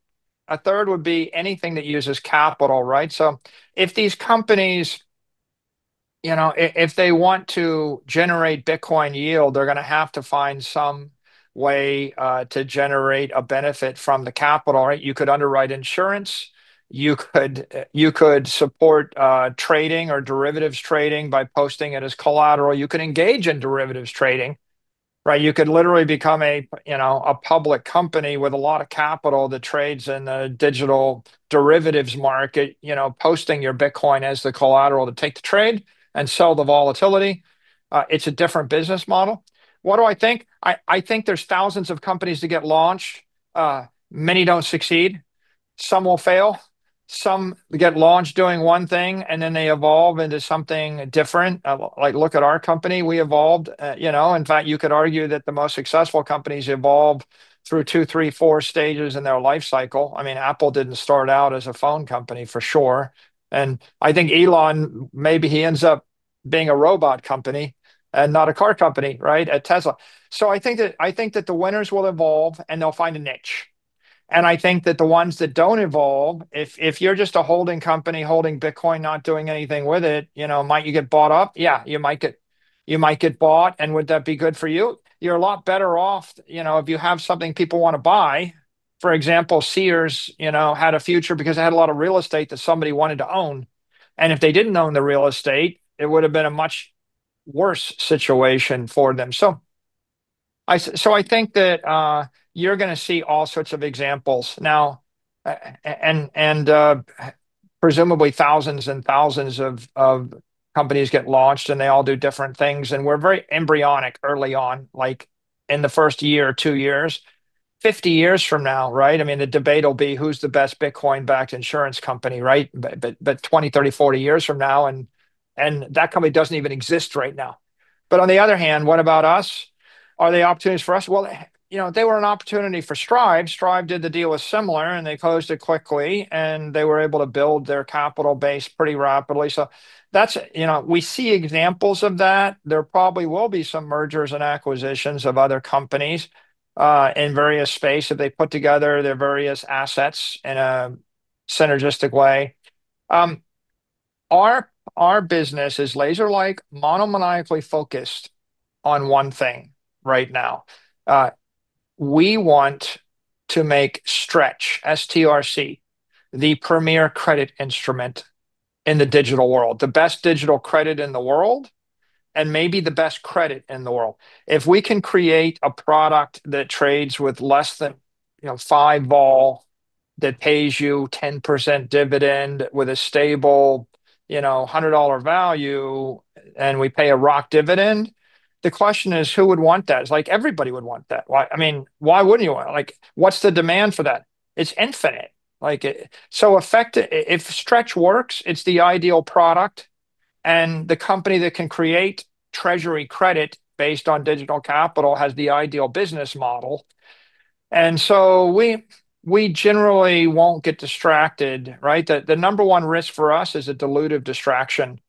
would be anything that uses capital, right? So if these companies, you know, if they want to generate Bitcoin yield, they're gonna have to find some way to generate a benefit from the capital, right? You could underwrite insurance. You could support trading or derivatives trading by posting it as collateral. You could engage in derivatives trading, right? You could literally become a, you know, a public company with a lot of capital that trades in the digital derivatives market, you know, posting your Bitcoin as the collateral to take the trade and sell the volatility. It's a different business model. What do I think? I think there's thousands of companies to get launched. Many don't succeed, some will fail, some get launched doing one thing, and then they evolve into something different. Like, look at our company, we evolved. You know, in fact, you could argue that the most successful companies evolve through two, three, four stages in their life cycle. I mean, Apple didn't start out as a phone company, for sure. I think Elon, maybe he ends up being a robot company and not a car company, right, at Tesla. So I think that the winners will evolve, and they'll find a niche. And I think that the ones that don't evolve, if you're just a holding company holding Bitcoin, not doing anything with it, you know, might you get bought up? Yeah, you might get bought. And would that be good for you? You're a lot better off, you know, if you have something people want to buy. For example, Sears, you know, had a future because it had a lot of real estate that somebody wanted to own, and if they didn't own the real estate, it would have been a much worse situation for them. So I think that you're gonna see all sorts of examples. Now, and... Presumably thousands and thousands of companies get launched, and they all do different things. And we're very embryonic early on, like in the first year or two years. 50 years from now, right, I mean, the debate will be who's the best Bitcoin-backed insurance company, right? But, but, but 20, 30, 40 years from now, and that company doesn't even exist right now. But on the other hand, what about us? Are there opportunities for us? Well, you know, there was an opportunity for Strive. Strive did the deal with Semler Scientific, and they closed it quickly, and they were able to build their capital base pretty rapidly. So that's. You know, we see examples of that. There probably will be some mergers and acquisitions of other companies in various space that they put together their various assets in a synergistic way. Our, our business is laser-like, monomaniacally focused on one thing right now. We want to make Stretch, STRC, the premier credit instrument in the digital world, the best digital credit in the world, and maybe the best credit in the world. If we can create a product that trades with less than, you know, five vol, that pays you 10% dividend with a stable, you know, $100 value, and we pay a rock dividend, the question is, who would want that? It's like everybody would want that. Why—I mean, why wouldn't you want it? Like, what's the demand for that? It's infinite. Like, so if Stretch works, it's the ideal product, and the company that can create treasury credit based on digital capital has the ideal business model. So we generally won't get distracted, right? The number one risk for us is a dilutive distraction,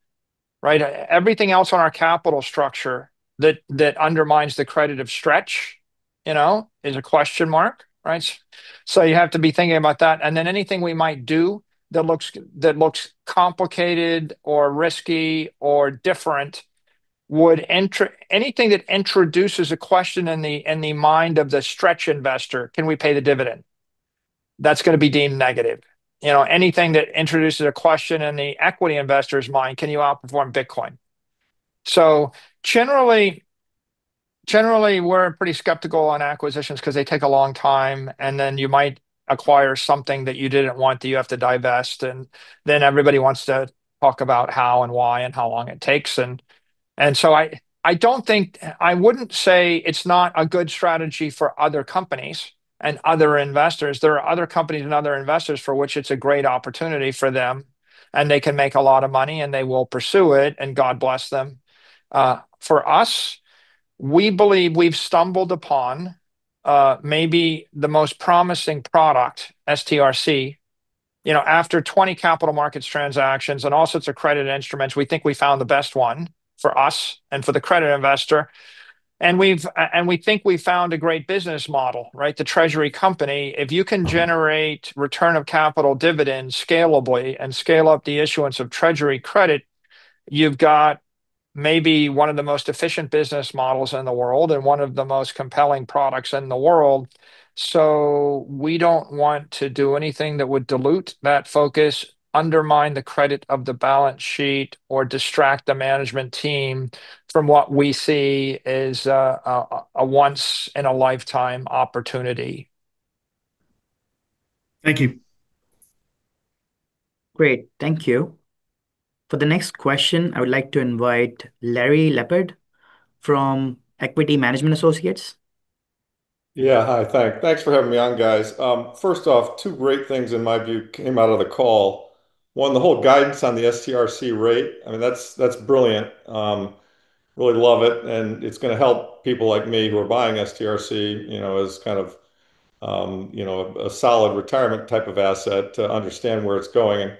right? Everything else on our capital structure that undermines the credit of Stretch, you know, is a question mark, right? So you have to be thinking about that. And then anything we might do that looks complicated, or risky, or different would anything that introduces a question in the mind of the Stretch investor, "Can we pay the dividend?" That's gonna be deemed negative. You know, anything that introduces a question in the equity investor's mind: "Can you outperform Bitcoin?" So generally, we're pretty skeptical on acquisitions because they take a long time, and then you might acquire something that you didn't want, that you have to divest, and then everybody wants to talk about how and why and how long it takes. And so I don't think, I wouldn't say it's not a good strategy for other companies and other investors. There are other companies and other investors for which it's a great opportunity for them, and they can make a lot of money, and they will pursue it, and God bless them. For us, we believe we've stumbled upon, maybe the most promising product, Stretch. You know, after 20 capital markets transactions and all sorts of credit instruments, we think we found the best one for us and for the credit investor. And we think we've found a great business model, right? The treasury company. If you can generate return of capital dividend scalably and scale up the issuance of treasury credit, you've got maybe one of the most efficient business models in the world and one of the most compelling products in the world. So we don't want to do anything that would dilute that focus, undermine the credit of the balance sheet, or distract the management team from what we see as a once-in-a-lifetime opportunity. Thank you. Great. Thank you. For the next question, I would like to invite Larry Lepard from Equity Management Associates. Yeah. Hi, thanks for having me on, guys. First off, two great things, in my view, came out of the call. One, the whole guidance on the STRC rate, I mean, that's brilliant. Really love it, and it's gonna help people like me who are buying STRC, you know, as kind of a solid retirement type of asset to understand where it's going.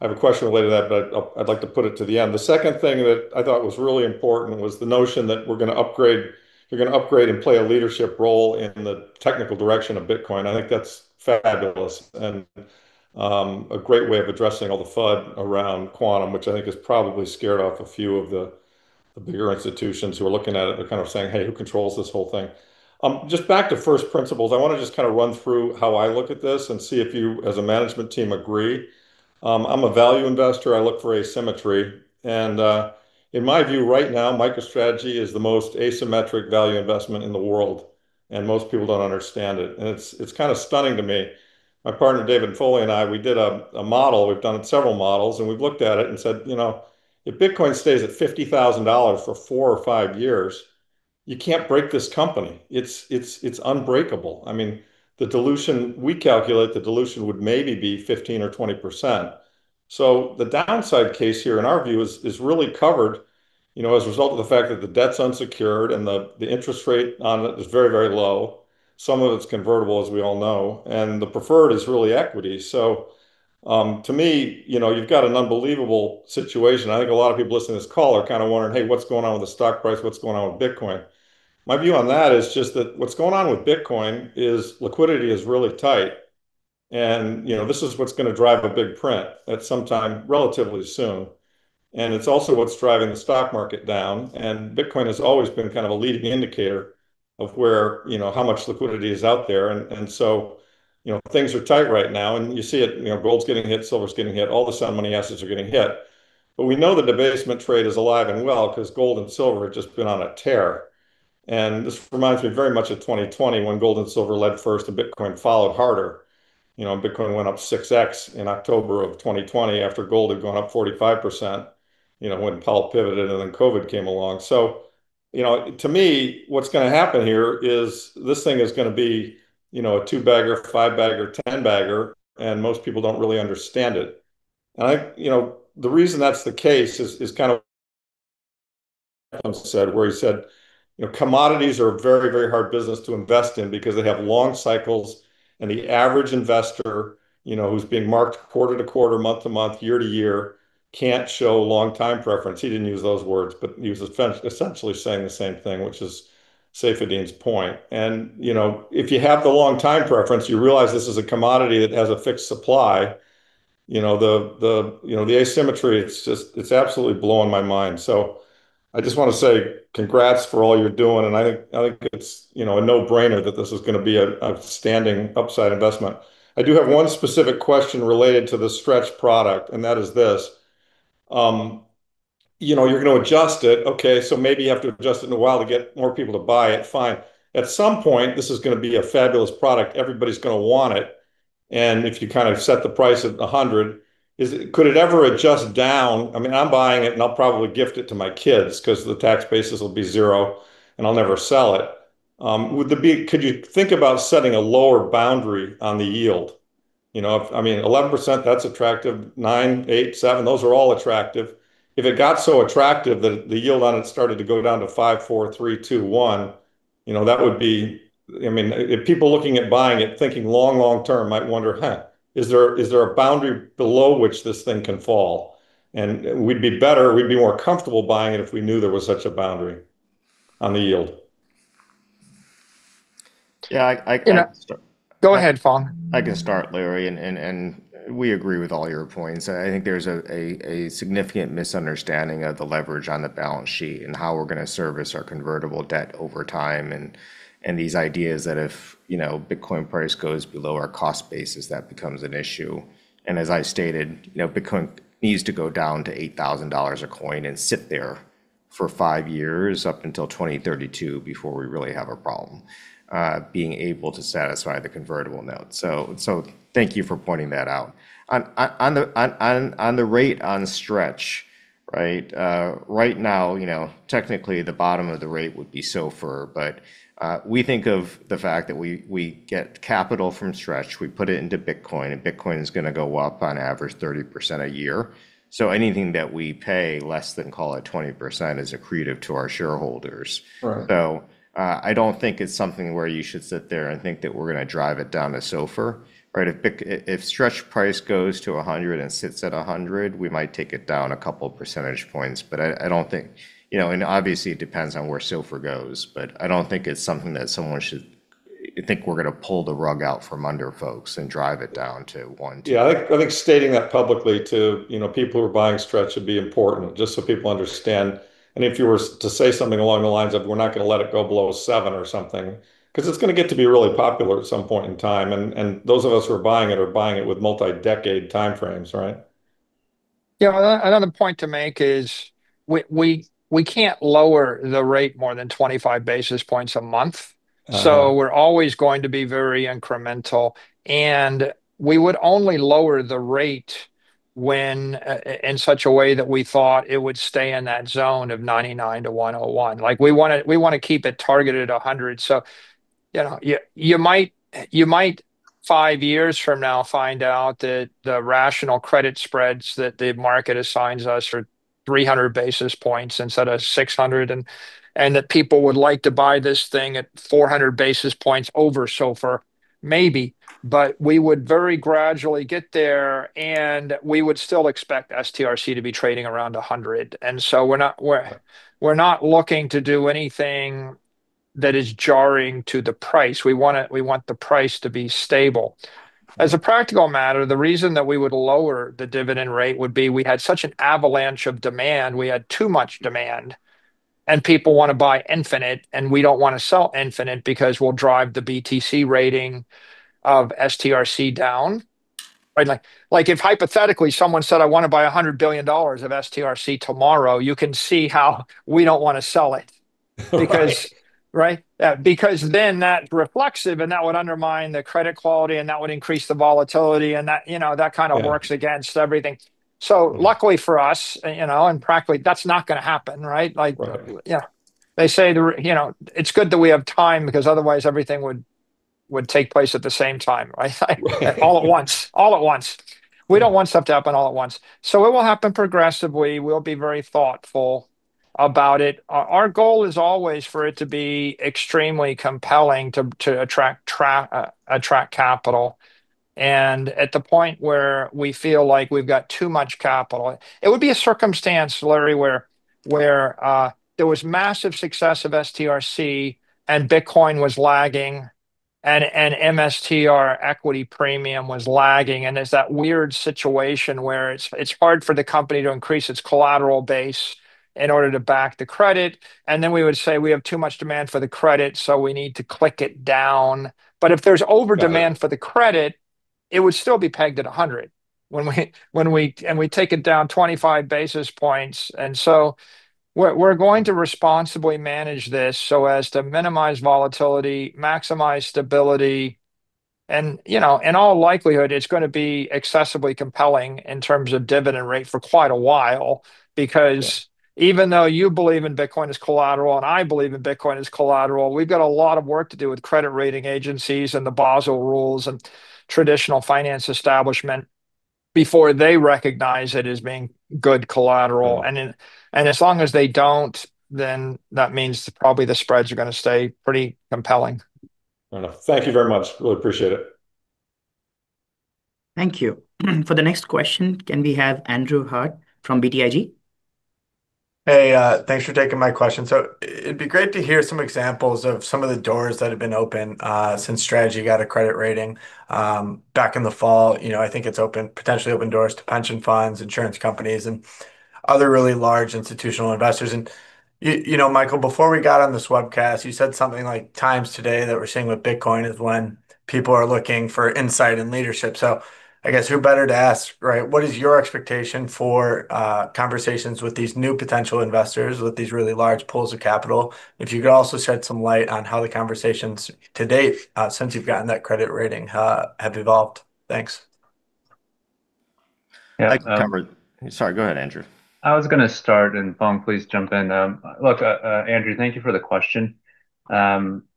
And I have a question related to that, but I'd like to put it to the end. The second thing that I thought was really important was the notion that we're gonna upgrade, you're gonna upgrade and play a leadership role in the technical direction of Bitcoin. I think that's fabulous and a great way of addressing all the FUD around quantum, which I think has probably scared off a few of the bigger institutions who are looking at it, but kind of saying, "Hey, who controls this whole thing?" Just back to first principles. I wanna just kind of run through how I look at this and see if you, as a management team, agree. I'm a value investor. I look for asymmetry, and in my view, right now, Strategy is the most asymmetric value investment in the world, and most people don't understand it. It's kind of stunning to me. My partner, David Foley, and I, we did a model. We've done several models, and we've looked at it and said: You know, if Bitcoin stays at $50,000 for four or five years, you can't break this company. It's unbreakable. I mean, the dilution, we calculate the dilution would maybe be 15%-20%. So the downside case here, in our view, is really covered, you know, as a result of the fact that the debt's unsecured and the interest rate on it is very, very low. Some of it's convertible, as we all know, and the preferred is really equity. So, to me, you know, you've got an unbelievable situation. I think a lot of people listening to this call are kind of wondering: "Hey, what's going on with the stock price? What's going on with Bitcoin?" My view on that is just that what's going on with Bitcoin is liquidity is really tight, and, you know, this is what's gonna drive a big print at some time, relatively soon, and it's also what's driving the stock market down. And Bitcoin has always been kind of a leading indicator of where, you know, how much liquidity is out there. And, and so, you know, things are tight right now, and you see it. You know, gold's getting hit, silver's getting hit, all the sound money assets are getting hit. But we know the debasement trade is alive and well because gold and silver have just been on a tear.... And this reminds me very much of 2020, when gold and silver led first, and Bitcoin followed harder. You know, Bitcoin went up 6x in October of 2020, after gold had gone up 45%, you know, when Powell pivoted, and then COVID came along. So, you know, to me, what's gonna happen here is this thing is gonna be, you know, a 2-bagger, 5-bagger, 10-bagger, and most people don't really understand it. And I-- You know, the reason that's the case is kind of said, where he said, "You know, commodities are a very, very hard business to invest in because they have long cycles, and the average investor, you know, who's being marked quarter to quarter, month to month, year to year, can't show long time preference." He didn't use those words, but he was essentially saying the same thing, which is Saifedean's point. You know, if you have the long time preference, you realize this is a commodity that has a fixed supply. You know, the asymmetry, it's just, it's absolutely blowing my mind. So I just wanna say congrats for all you're doing, and I think, I think it's, you know, a no-brainer that this is gonna be an outstanding upside investment. I do have one specific question related to the Stretch product, and that is this: You know, you're gonna adjust it. Okay, so maybe you have to adjust it in a while to get more people to buy it. Fine. At some point, this is gonna be a fabulous product. Everybody's gonna want it, and if you kind of set the price at 100, is it, could it ever adjust down? I mean, I'm buying it, and I'll probably gift it to my kids 'cause the tax basis will be zero, and I'll never sell it. Could you think about setting a lower boundary on the yield? You know, if, I mean, 11%, that's attractive. 9, 8, 7, those are all attractive. If it got so attractive that the yield on it started to go down to 5, 4, 3, 2, 1, you know, that would be... I mean, if people looking at buying it, thinking long, long term, might wonder, "Huh, is there, is there a boundary below which this thing can fall?" And we'd be better, we'd be more comfortable buying it if we knew there was such a boundary on the yield. Yeah, I- You know- Go ahead, Phong. I can start, Larry, and we agree with all your points. I think there's a significant misunderstanding of the leverage on the balance sheet and how we're gonna service our convertible debt over time, and these ideas that if, you know, Bitcoin price goes below our cost basis, that becomes an issue. And as I stated, you know, Bitcoin needs to go down to $8,000 a coin and sit there for five years, up until 2032, before we really have a problem being able to satisfy the convertible note. So thank you for pointing that out. On the rate on Stretch, right? Right now, you know, technically the bottom of the rate would be SOFR, but we think of the fact that we get capital from Stretch. We put it into Bitcoin, and Bitcoin is gonna go up on average 30% a year. So anything that we pay less than, call it 20%, is accretive to our shareholders. Right. I don't think it's something where you should sit there and think that we're gonna drive it down to SOFR, right? If Stretch price goes to 100 and sits at 100, we might take it down a couple percentage points, but I don't think, you know, and obviously, it depends on where SOFR goes, but I don't think it's something that someone should think we're gonna pull the rug out from under folks and drive it down to 1, 2. Yeah, I think, I think stating that publicly to, you know, people who are buying Stretch would be important, just so people understand. And if you were to say something along the lines of: "We're not gonna let it go below a seven or something," 'cause it's gonna get to be really popular at some point in time, and, and those of us who are buying it are buying it with multi-decade time frames, right? Yeah, another point to make is we can't lower the rate more than 25 basis points a month. Uh-huh. So we're always going to be very incremental, and we would only lower the rate when in such a way that we thought it would stay in that zone of 99-101. Like, we wanna keep it targeted at 100. So, you know, you might, five years from now, find out that the rational credit spreads that the market assigns us are 300 basis points instead of 600 and that people would like to buy this thing at 400 basis points over SOFR, maybe. But we would very gradually get there, and we would still expect STRC to be trading around 100. And so we're not looking to do anything that is jarring to the price. We want the price to be stable. As a practical matter, the reason that we would lower the dividend rate would be, we had such an avalanche of demand, we had too much demand, and people wanna buy infinite, and we don't wanna sell infinite because we'll drive the BTC rating of STRC down. Right, like, like if hypothetically, someone said, "I wanna buy $100 billion of STRC tomorrow," you can see how we don't wanna sell it. Right. Because, right? Because then that's reflexive, and that would undermine the credit quality, and that would increase the volatility, and that, you know- Yeah that kind of works against everything. So luckily for us, you know, and practically, that's not gonna happen, right? Like- Right. Yeah. They say, you know, it's good that we have time, because otherwise, everything would take place at the same time, right? Right. All at once. All at once. We don't want stuff to happen all at once. So it will happen progressively. We'll be very thoughtful about it. Our goal is always for it to be extremely compelling to attract capital, and at the point where we feel like we've got too much capital... It would be a circumstance, Larry, where there was massive success of STRC and Bitcoin was lagging and MSTR equity premium was lagging, and there's that weird situation where it's hard for the company to increase its collateral base in order to back the credit. And then we would say, "We have too much demand for the credit, so we need to click it down." But if there's overdemand- Got it for the credit, it would still be pegged at 100. When we-- and we take it down 25 basis points. And so we're going to responsibly manage this so as to minimize volatility, maximize stability. And, you know, in all likelihood, it's gonna be excessively compelling in terms of dividend rate for quite a while. Because- Yeah even though you believe in Bitcoin as collateral, and I believe in Bitcoin as collateral, we've got a lot of work to do with credit rating agencies and the Basel rules and traditional finance establishment before they recognize it as being good collateral. Mm. As long as they don't, then that means probably the spreads are gonna stay pretty compelling. Well, thank you very much. Really appreciate it. Thank you. For the next question, can we have Andrew Harte from BTIG? Hey, thanks for taking my question. So it'd be great to hear some examples of some of the doors that have been opened, since Strategy got a credit rating, back in the fall. You know, I think it's opened, potentially opened doors to pension funds, insurance companies, and other really large institutional investors. And you know, Michael, before we got on this webcast, you said something like, times today that we're seeing with Bitcoin is when people are looking for insight and leadership. So I guess who better to ask, right? What is your expectation for conversations with these new potential investors, with these really large pools of capital? If you could also shed some light on how the conversations to date, since you've gotten that credit rating, have evolved. Thanks. Yeah, um- Sorry, go ahead, Andrew. I was gonna start, and Phong, please jump in. Look, Andrew, thank you for the question.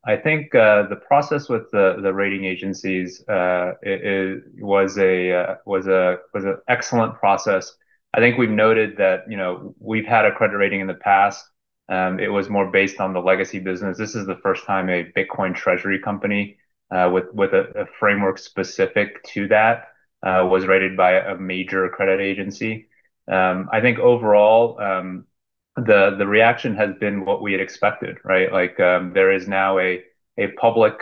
I think the process with the rating agencies was an excellent process. I think we've noted that, you know, we've had a credit rating in the past. It was more based on the legacy business. This is the first time a Bitcoin treasury company with a framework specific to that was rated by a major credit agency. I think overall the reaction has been what we had expected, right? Like, there is now a public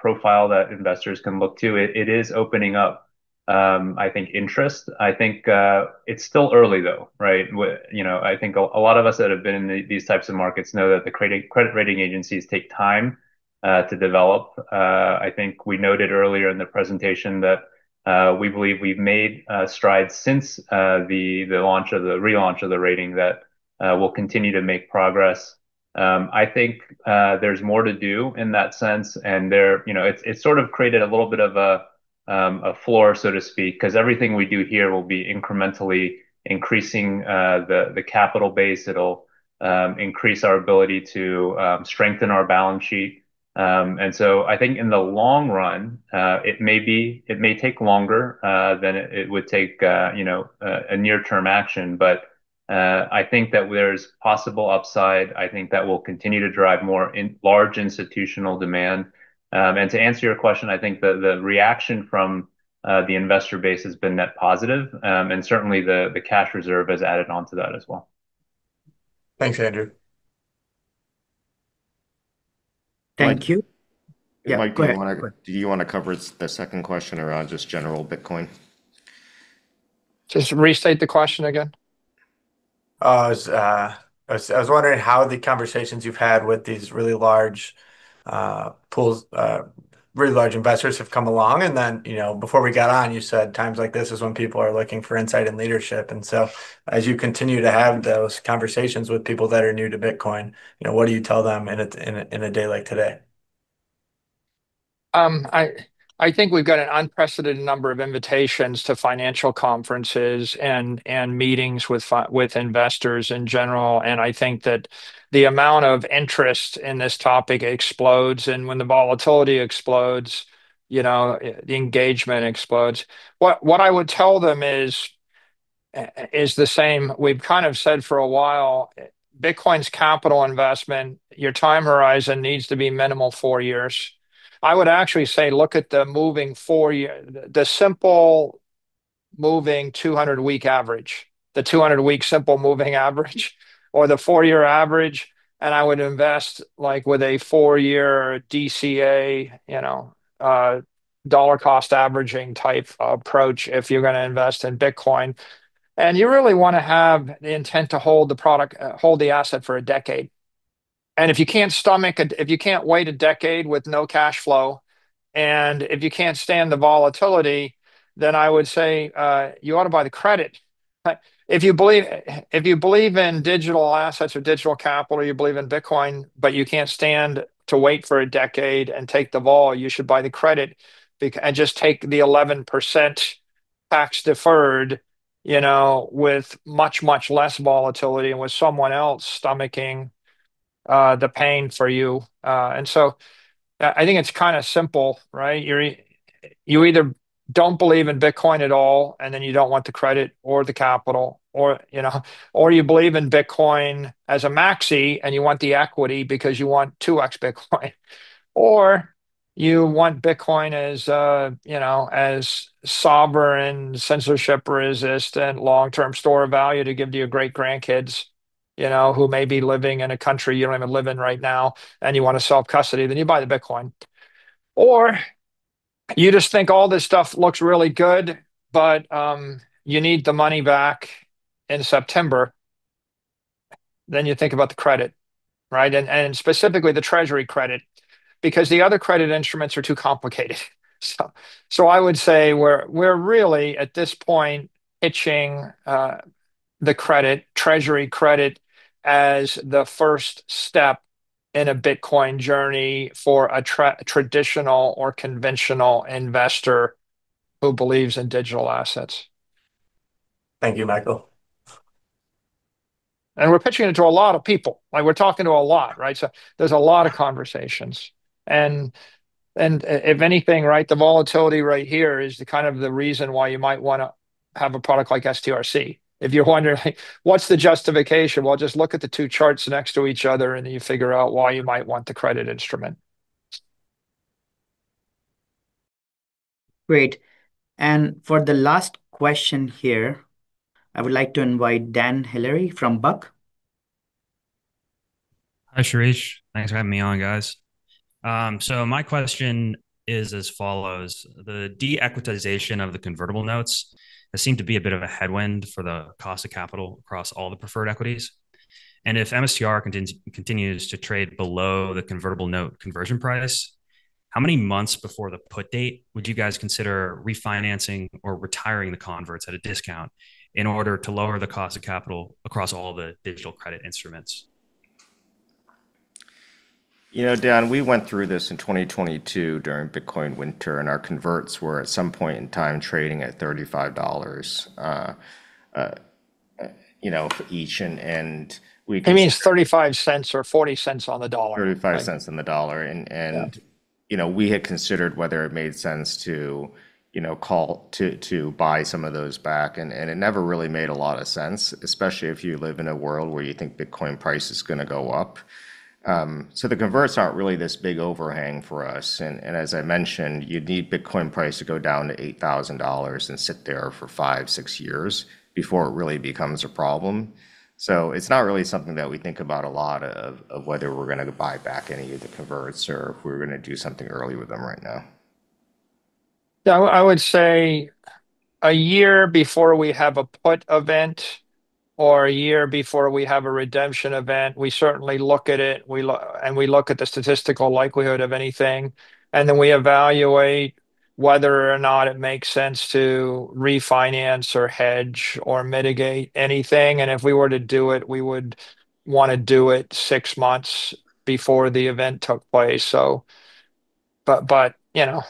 profile that investors can look to. It is opening up, I think, interest. I think it's still early, though, right? You know, I think a lot of us that have been in these types of markets know that the credit rating agencies take time to develop. I think we noted earlier in the presentation that we believe we've made strides since the launch of the re-launch of the rating, that we'll continue to make progress. I think there's more to do in that sense, and You know, it's sort of created a little bit of a floor, so to speak, 'cause everything we do here will be incrementally increasing the capital base. It'll increase our ability to strengthen our balance sheet. And so I think in the long run, it may take longer than it would take, you know, a near-term action. But I think that there's possible upside. I think that will continue to drive more in large institutional demand. And to answer your question, I think the reaction from the investor base has been net positive, and certainly, the cash reserve has added on to that as well. Thanks, Andrew. Thank you. Mike- Yeah, go ahead, go ahead. Do you wanna cover the second question around just general Bitcoin? Just restate the question again. I was wondering how the conversations you've had with these really large pools, really large investors have come along. And then, you know, before we got on, you said times like this is when people are looking for insight and leadership. And so as you continue to have those conversations with people that are new to Bitcoin, you know, what do you tell them in a day like today? I think we've got an unprecedented number of invitations to financial conferences and meetings with investors in general, and I think that the amount of interest in this topic explodes. And when the volatility explodes, you know, the engagement explodes. What I would tell them is the same. We've kind of said for a while, Bitcoin's capital investment, your time horizon needs to be minimal 4 years. I would actually say look at the moving 4-year, the simple moving 200-week average. The 200-week simple moving average or the 4-year average, and I would invest, like, with a 4-year DCA, you know, dollar-cost averaging type approach if you're gonna invest in Bitcoin. And you really wanna have the intent to hold the product, hold the asset for a decade. If you can't stomach it, if you can't wait a decade with no cash flow, and if you can't stand the volatility, then I would say you ought to buy the credit. If you believe, if you believe in digital assets or digital capital, you believe in Bitcoin, but you can't stand to wait for a decade and take the vol, you should buy the credit and just take the 11% tax-deferred, you know, with much, much less volatility and with someone else stomaching the pain for you. And so, I think it's kinda simple, right? You're either don't believe in Bitcoin at all, and then you don't want the credit or the capital, or, you know, or you believe in Bitcoin as a maxi and you want the equity because you want 2x Bitcoin. Or you want Bitcoin as, you know, as sovereign, censorship-resistant, long-term store of value to give to your great-grandkids, you know, who may be living in a country you don't even live in right now, and you wanna self-custody, then you buy the Bitcoin. Or you just think all this stuff looks really good, but you need the money back in September... then you think about the credit, right? And specifically the treasury credit, because the other credit instruments are too complicated. So I would say we're really, at this point, pitching the credit, treasury credit as the first step in a Bitcoin journey for a traditional or conventional investor who believes in digital assets. Thank you, Michael. And we're pitching it to a lot of people. Like, we're talking to a lot, right? So there's a lot of conversations. And if anything, right, the volatility right here is the kind of the reason why you might wanna have a product like STRC. If you're wondering, "What's the justification?" Well, just look at the two charts next to each other, and then you figure out why you might want the credit instrument. Great. And for the last question here, I would like to invite Dan Hillary from Buck. Hi, Shirish. Thanks for having me on, guys. So my question is as follows: the de-equitization of the convertible notes, that seemed to be a bit of a headwind for the cost of capital across all the preferred equities. And if MSTR continues to trade below the convertible note conversion price, how many months before the put date would you guys consider refinancing or retiring the converts at a discount in order to lower the cost of capital across all the digital credit instruments? You know, Dan, we went through this in 2022 during Bitcoin winter, and our converts were, at some point in time, trading at $35, you know, each, and, and we- He means $0.35 or $0.40 on the dollar. $0.35 on the dollar. Yeah. You know, we had considered whether it made sense to, you know, call to buy some of those back, and it never really made a lot of sense, especially if you live in a world where you think Bitcoin price is gonna go up. So the converts aren't really this big overhang for us, and as I mentioned, you'd need Bitcoin price to go down to $8,000 and sit there for five, six years before it really becomes a problem. So it's not really something that we think about a lot, of whether we're gonna buy back any of the converts or if we're gonna do something early with them right now. Yeah, I would say a year before we have a put event or a year before we have a redemption event, we certainly look at it. We look at the statistical likelihood of anything, and then we evaluate whether or not it makes sense to refinance, or hedge, or mitigate anything. And if we were to do it, we would wanna do it 6 months before the event took place. So... But, but, you know,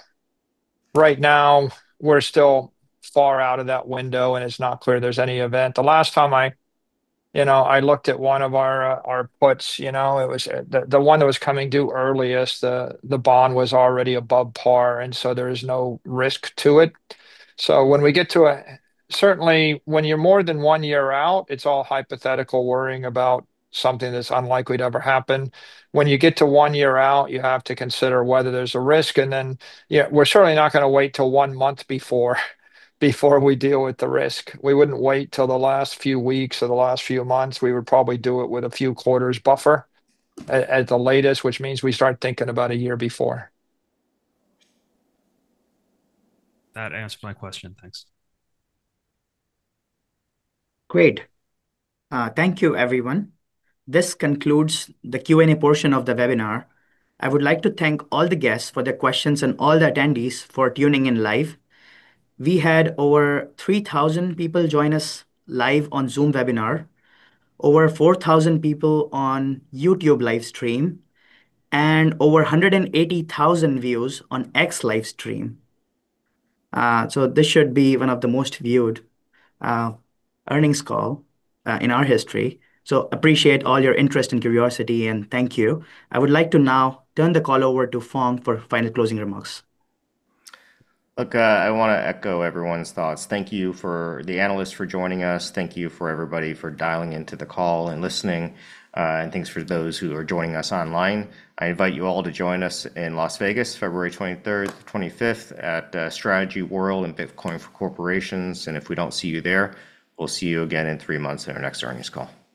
right now, we're still far out of that window, and it's not clear there's any event. The last time I, you know, I looked at one of our, our puts, you know, it was the, the one that was coming due earliest, the, the bond was already above par, and so there is no risk to it. Certainly, when you're more than one year out, it's all hypothetical worrying about something that's unlikely to ever happen. When you get to one year out, you have to consider whether there's a risk, and then, yeah, we're certainly not gonna wait till one month before we deal with the risk. We wouldn't wait till the last few weeks or the last few months. We would probably do it with a few quarters buffer at the latest, which means we start thinking about a year before. That answered my question. Thanks. Great. Thank you, everyone. This concludes the Q&A portion of the webinar. I would like to thank all the guests for their questions and all the attendees for tuning in live. We had over 3,000 people join us live on Zoom webinar, over 4,000 people on YouTube live stream, and over 180,000 views on X live stream. So this should be one of the most viewed, earnings call, in our history. So appreciate all your interest and curiosity, and thank you. I would like to now turn the call over to Phong for final closing remarks. Look, I wanna echo everyone's thoughts. Thank you for the analysts for joining us, thank you for everybody for dialing into the call and listening, and thanks for those who are joining us online. I invite you all to join us in Las Vegas, February 23rd to the 25th at, StrategyWorld and Bitcoin for Corporations. If we don't see you there, we'll see you again in three months at our next earnings call. Thank you.